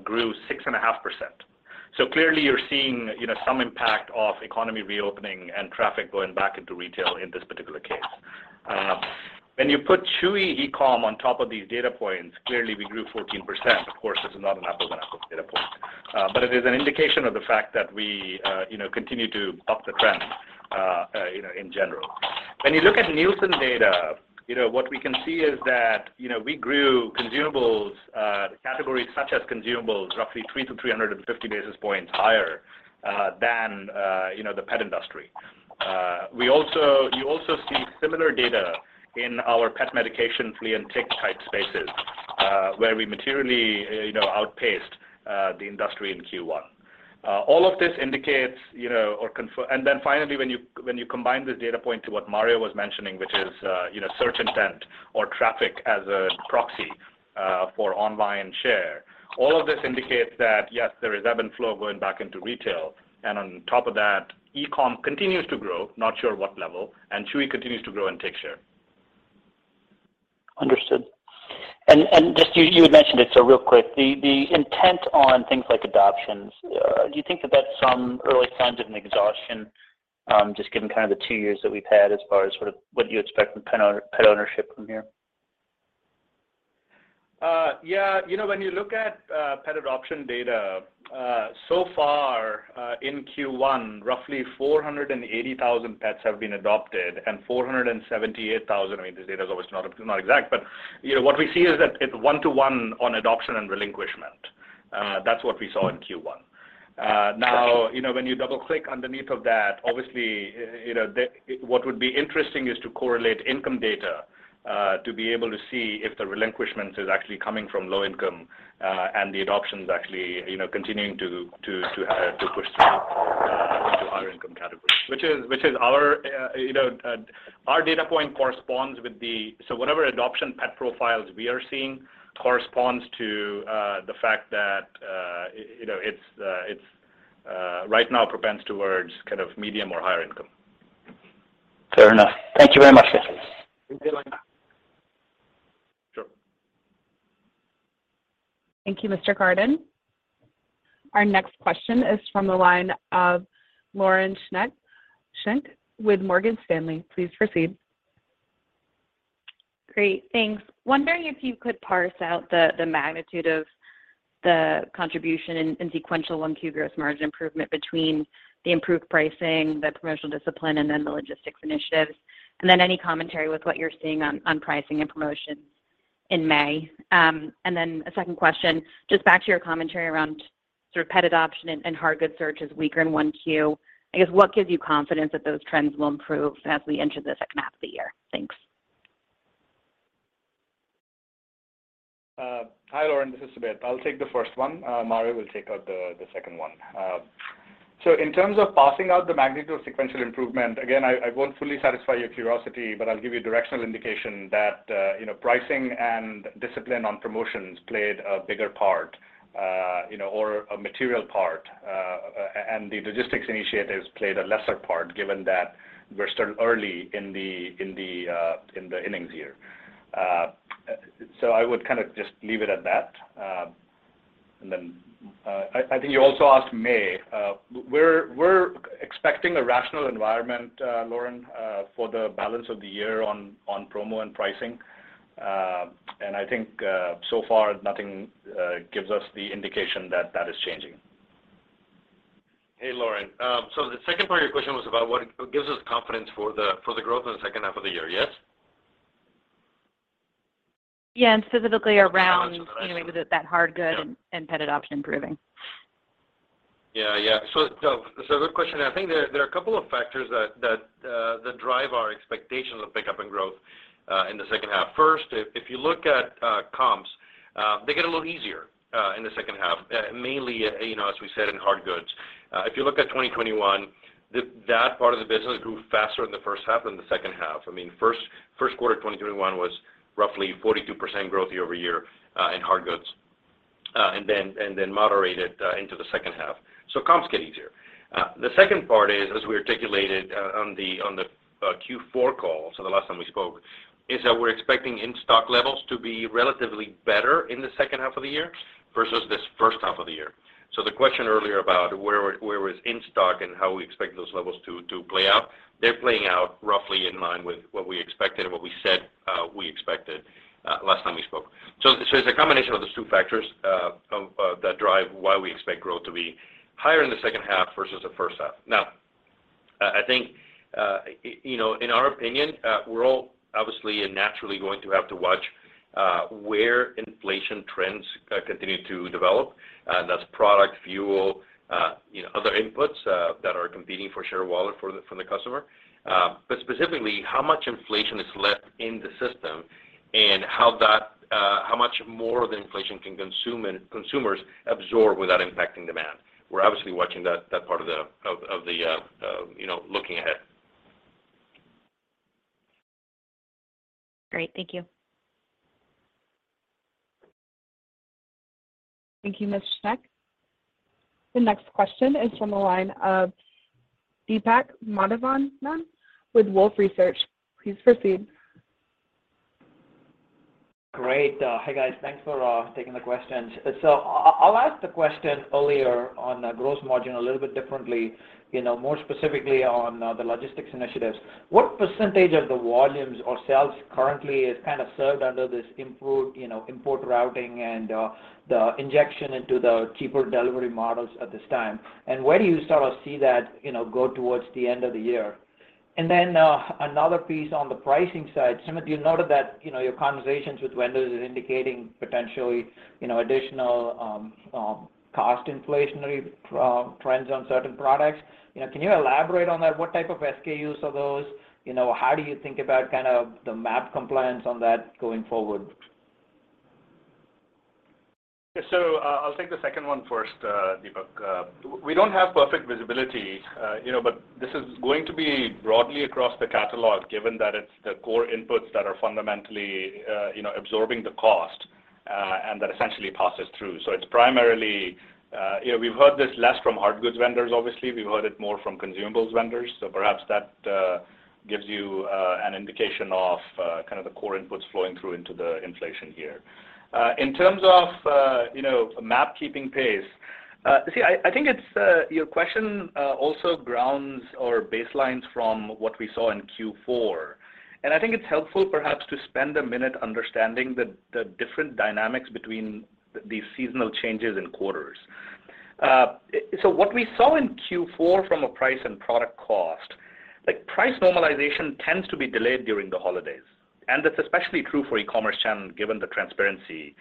grew 6.5%. Clearly you're seeing, you know, some impact of economy reopening and traffic going back into retail in this particular case. When you put Chewy e-com on top of these data points, clearly we grew 14%. Of course, this is not an apples-to-apples data point. It is an indication of the fact that we, you know, continue to buck the trend, you know, in general. When you look at Nielsen data, you know, what we can see is that, you know, we grew consumables categories such as consumables roughly 300-350 basis points higher than, you know, the pet industry. You also see similar data in our pet medication flea and tick-type spaces, where we materially, you know, outpaced the industry in Q1. All of this indicates, you know, or confirms. Finally, when you combine this data point to what Mario was mentioning, which is, you know, search intent or traffic as a proxy for online share, all of this indicates that, yes, there is ebb and flow going back into retail. On top of that, e-com continues to grow, not sure what level, and Chewy continues to grow and take share. Understood. Just, you had mentioned it, so real quick, the intent on things like adoptions. Do you think that that's some early signs of an exhaustion, just given kind of the two years that we've had as far as sort of what you expect from pet owner-pet ownership from here? Yeah. You know, when you look at pet adoption data, so far in Q1, roughly 480,000 pets have been adopted, and 478,000, I mean this data is always not exact, but you know, what we see is that it's 1-to-1 on adoption and relinquishment. That's what we saw in Q1. Now, you know, when you double-click underneath of that, obviously, you know, what would be interesting is to correlate income data to be able to see if the relinquishment is actually coming from low income, and the adoptions actually, you know, continuing to push through into higher income categories. Which is our data point corresponds with the. Whatever adoption pet profiles we are seeing corresponds to the fact that, you know, it's right now tends towards kind of medium or higher income. Fair enough. Thank you very much, gentlemen. Thank you. Sure. Thank you, Mr. Carden. Our next question is from the line of Lauren Schenk with Morgan Stanley. Please proceed. Great. Thanks. Wondering if you could parse out the magnitude of the contribution and sequential on Q gross margin improvement between the improved pricing, the promotional discipline, and then the logistics initiatives. Then any commentary with what you're seeing on pricing and promotions in May. Then a second question, just back to your commentary around sort of pet adoption and hard goods search is weaker in 1Q. I guess, what gives you confidence that those trends will improve as we enter the second half of the year? Thanks. Hi, Lauren. This is Sumit. I'll take the first one. Mario will take the second one. So in terms of parsing out the magnitude of sequential improvement, again, I won't fully satisfy your curiosity, but I'll give you directional indication that, you know, pricing and discipline on promotions played a bigger part, you know, or a material part. And the logistics initiatives played a lesser part given that we're still early in the innings here. So I would kind of just leave it at that. And then, I think you also asked about May. We're expecting a rational environment, Lauren, for the balance of the year on promo and pricing. And I think, so far nothing gives us the indication that that is changing. Hey, Lauren. The second part of your question was about what gives us confidence for the growth in the second half of the year, yes? Yeah. Specifically around, you know, maybe that hard good and pet adoption improving. Yeah. Good question. I think there are a couple of factors that drive our expectations of pickup and growth in the second half. First, if you look at comps, they get a little easier in the second half, mainly, you know, as we said in hard goods. If you look at 2021, that part of the business grew faster in the first half than the second half. I mean, first quarter 2021 was roughly 42% growth year-over-year in hard goods, and then moderated into the second half. Comps get easier. The second part is, as we articulated, on the Q4 call, so the last time we spoke, is that we're expecting in-stock levels to be relatively better in the second half of the year versus this first half of the year. The question earlier about where was in-stock and how we expect those levels to play out, they're playing out roughly in line with what we expected and what we said we expected last time we spoke. It's a combination of those two factors that drive why we expect growth to be higher in the second half versus the first half. Now, I think you know, in our opinion, we're all obviously and naturally going to have to watch where inflation trends continue to develop. That's product, fuel, you know, other inputs that are competing for share of wallet from the customer. Specifically, how much inflation is left in the system and how much more of the inflation can consumers absorb without impacting demand. We're obviously watching that part of the, you know, looking ahead. Great. Thank you. Thank you, Ms. Schenk. The next question is from the line of Deepak Mathivanan with Wolfe Research. Please proceed. Great. Hi guys. Thanks for taking the questions. I'll ask the question earlier on gross margin a little bit differently, you know, more specifically on the logistics initiatives. What percentage of the volumes or sales currently is kind of served under this import, you know, import routing and the injection into the cheaper delivery models at this time? Where do you sort of see that, you know, go towards the end of the year? Another piece on the pricing side. Sumit, you noted that, you know, your conversations with vendors is indicating potentially, you know, additional cost inflationary trends on certain products. You know, can you elaborate on that? What type of SKUs are those? You know, how do you think about kind of the MAP compliance on that going forward? I'll take the second one first, Deepak. We don't have perfect visibility, you know, but this is going to be broadly across the catalog given that it's the core inputs that are fundamentally, you know, absorbing the cost, and that essentially passes through. It's primarily, you know, we've heard this less from hard goods vendors, obviously. We've heard it more from consumables vendors. Perhaps that gives you an indication of kind of the core inputs flowing through into the inflation here. In terms of, you know, a MAP keeping pace, see I think it's your question also grounds or baselines from what we saw in Q4, and I think it's helpful perhaps to spend a minute understanding the different dynamics between these seasonal changes in quarters. What we saw in Q4 from a price and product cost, like price normalization tends to be delayed during the holidays, and that's especially true for e-commerce channel given the transparency.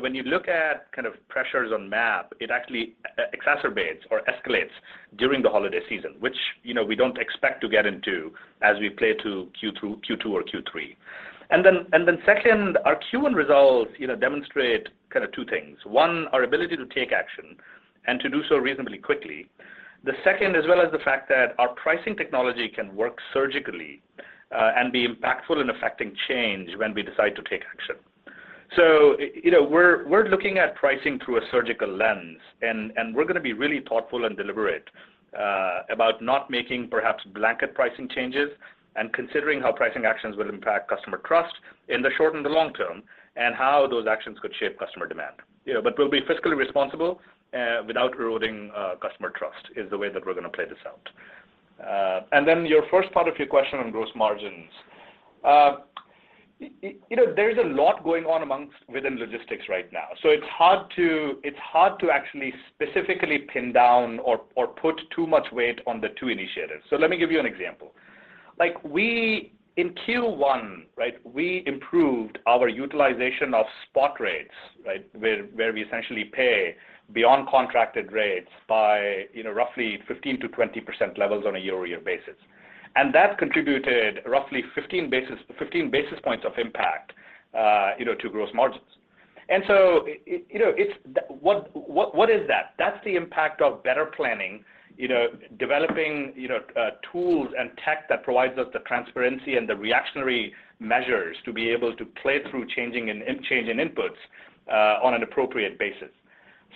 When you look at kind of pressures on MAP, it actually exacerbates or escalates during the holiday season, which, you know, we don't expect to get into as we play out to Q2 or Q3. Second, our Q1 results, you know, demonstrate kind of two things. One, our ability to take action and to do so reasonably quickly. The second, as well as the fact that our pricing technology can work surgically and be impactful in effecting change when we decide to take action. You know, we're looking at pricing through a surgical lens and we're gonna be really thoughtful and deliberate about not making perhaps blanket pricing changes and considering how pricing actions will impact customer trust in the short and the long term, and how those actions could shape customer demand. You know, but we'll be fiscally responsible without eroding customer trust, is the way that we're gonna play this out. Your first part of your question on gross margins. You know, there's a lot going on within logistics right now, so it's hard to actually specifically pin down or put too much weight on the two initiatives. Let me give you an example. Like, in Q1, right, we improved our utilization of spot rates, right? Where we essentially pay beyond contracted rates by, you know, roughly 15%-20% levels on a year-over-year basis. That contributed roughly 15 basis points of impact, you know, to gross margins. You know, it's. What is that? That's the impact of better planning, you know, developing, you know, tools and tech that provides us the transparency and the reactionary measures to be able to play through changing and change in inputs, on an appropriate basis.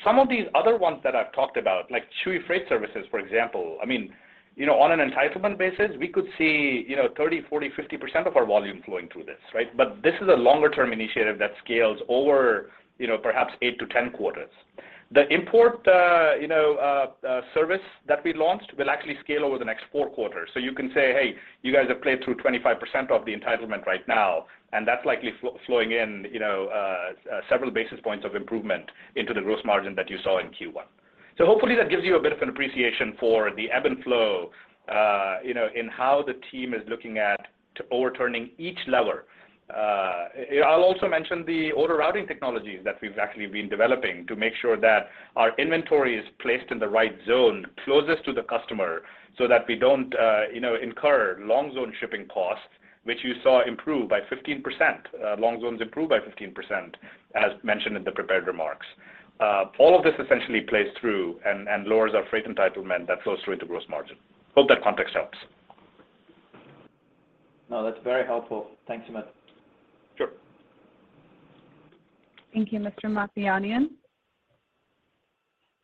Some of these other ones that I've talked about, like Chewy Freight Services, for example, I mean, you know, on an entitlement basis, we could see, you know, 30%, 40%, 50% of our volume flowing through this, right? This is a longer term initiative that scales over, you know, perhaps 8-10 quarters. The import, you know, service that we launched will actually scale over the next four quarters. You can say, "Hey, you guys have played through 25% of the entitlement right now," and that's likely flowing in, you know, several basis points of improvement into the gross margin that you saw in Q1. Hopefully that gives you a bit of an appreciation for the ebb and flow, you know, in how the team is looking at to overturning each lever. I'll also mention the order routing technologies that we've actually been developing to make sure that our inventory is placed in the right zone closest to the customer so that we don't, you know, incur long zone shipping costs, which you saw improve by 15%. Long zones improve by 15%, as mentioned in the prepared remarks. All of this essentially plays through and lowers our freight entitlement that flows through into gross margin. Hope that context helps. No, that's very helpful. Thanks, Sumit. Sure. Thank you, Mr. Mathivanan.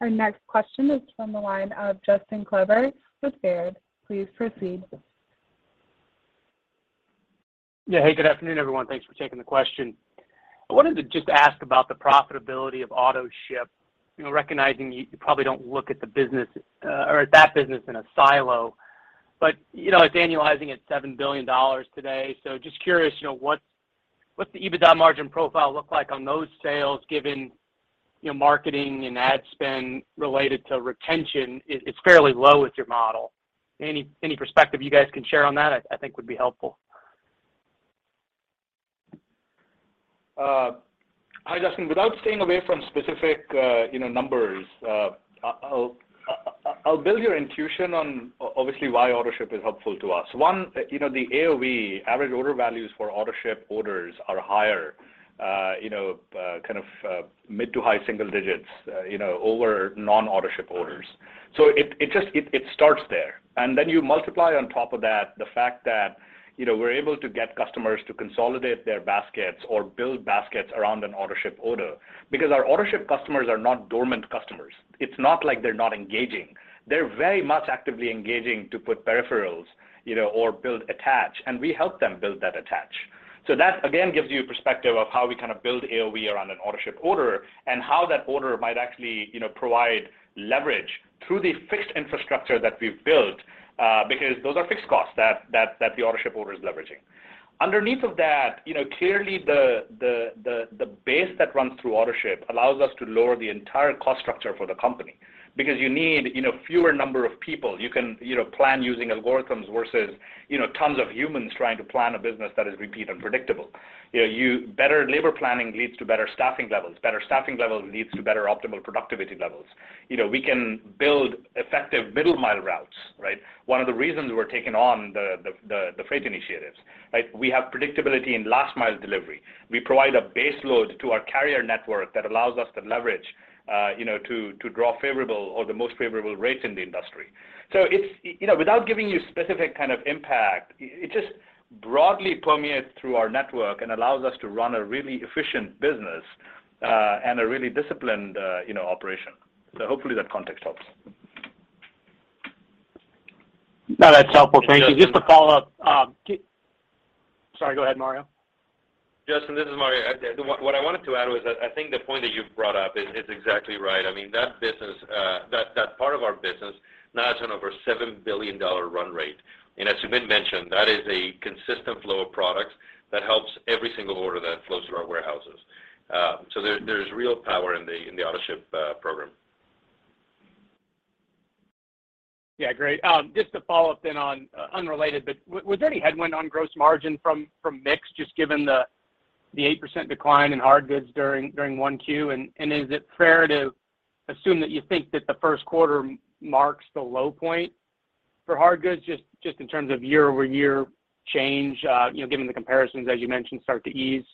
Our next question is from the line of Justin Kleber with Baird. Please proceed. Yeah. Hey, good afternoon, everyone. Thanks for taking the question. I wanted to just ask about the profitability of Autoship, you know, recognizing you probably don't look at the business or at that business in a silo. You know, it's annualizing at $7 billion today. So just curious, you know, what's the EBITDA margin profile look like on those sales given, you know, marketing and ad spend related to retention it's fairly low with your model. Any perspective you guys can share on that I think would be helpful. Hi, Justin. Staying away from specific numbers, I'll build your intuition on obviously why Autoship is helpful to us. One, you know, the AOV, average order values for Autoship orders are higher, you know, kind of mid- to high-single digits, you know, over non-Autoship orders. It just starts there. Then you multiply on top of that the fact that, you know, we're able to get customers to consolidate their baskets or build baskets around an Autoship order because our Autoship customers are not dormant customers. It's not like they're not engaging. They're very much actively engaging to put peripherals, you know, or build attach, and we help them build that attach. That again gives you perspective of how we kind of build AOV around an Autoship order and how that order might actually, you know, provide leverage through the fixed infrastructure that we've built, because those are fixed costs that the Autoship order is leveraging. Underneath of that, you know, clearly the base that runs through Autoship allows us to lower the entire cost structure for the company because you need, you know, fewer number of people. You can, you know, plan using algorithms versus, you know, tons of humans trying to plan a business that is repeat and predictable. You know, better labor planning leads to better staffing levels. Better staffing levels leads to better optimal productivity levels. You know, we can build effective middle mile routes, right? One of the reasons we're taking on the freight initiatives, right? We have predictability in last mile delivery. We provide a base load to our carrier network that allows us to leverage, you know, to draw favorable or the most favorable rates in the industry. It's you know, without giving you specific kind of impact, it just broadly permeates through our network and allows us to run a really efficient business, and a really disciplined, you know, operation. Hopefully that context helps. No, that's helpful. Thank you. Just to follow up, sorry, go ahead, Mario. Justin, this is Mario. What I wanted to add was that I think the point that you've brought up is exactly right. I mean, that business, that part of our business now it's on over $7 billion run rate. As Sumit mentioned, that is a consistent flow of products that helps every single order that flows through our warehouses. So there's real power in the Autoship program. Yeah, great. Just to follow up then on unrelated, but was there any headwind on gross margin from mix just given the 8% decline in hard goods during 1Q? And is it fair to assume that you think that the first quarter marks the low point for hard goods just in terms of year-over-year change, you know, given the comparisons, as you mentioned, start to ease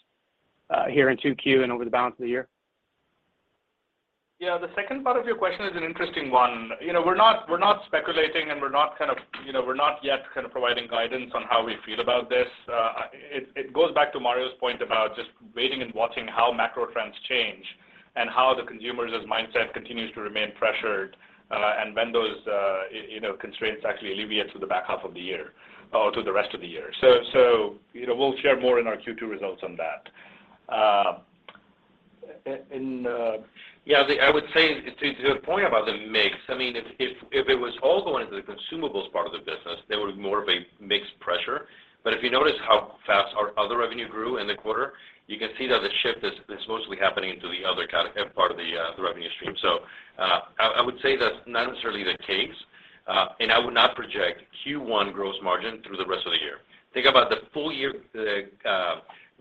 here in 2Q and over the balance of the year? Yeah, the second part of your question is an interesting one. You know, we're not speculating, and we're not kind of, you know, we're not yet kind of providing guidance on how we feel about this. It goes back to Mario's point about just waiting and watching how macro trends change and how the consumers' mindset continues to remain pressured, and when those, you know, constraints actually alleviate to the back half of the year or to the rest of the year. You know, we'll share more in our Q2 results on that. Yeah, I would say to your point about the mix, I mean, if it was all going to the consumables part of the business, there would be more of a mix pressure. If you notice how fast our other revenue grew in the quarter, you can see that the shift is mostly happening to the other kind of part of the revenue stream. I would say that's not necessarily the case, and I would not project Q1 gross margin through the rest of the year. Think about the full year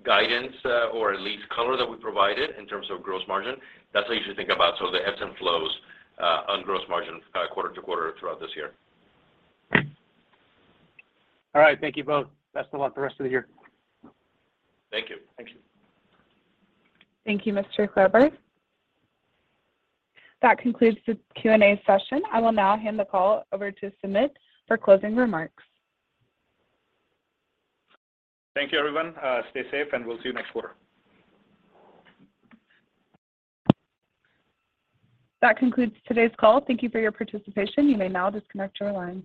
guidance, or at least color that we provided in terms of gross margin. That's how you should think about. The ebbs and flows on gross margin quarter to quarter throughout this year. All right. Thank you both. Best of luck the rest of the year. Thank you. Thank you. Thank you, Mr. Kleber. That concludes the Q&A session. I will now hand the call over to Sumit for closing remarks. Thank you, everyone. Stay safe, and we'll see you next quarter. That concludes today's call. Thank you for your participation. You may now disconnect your lines.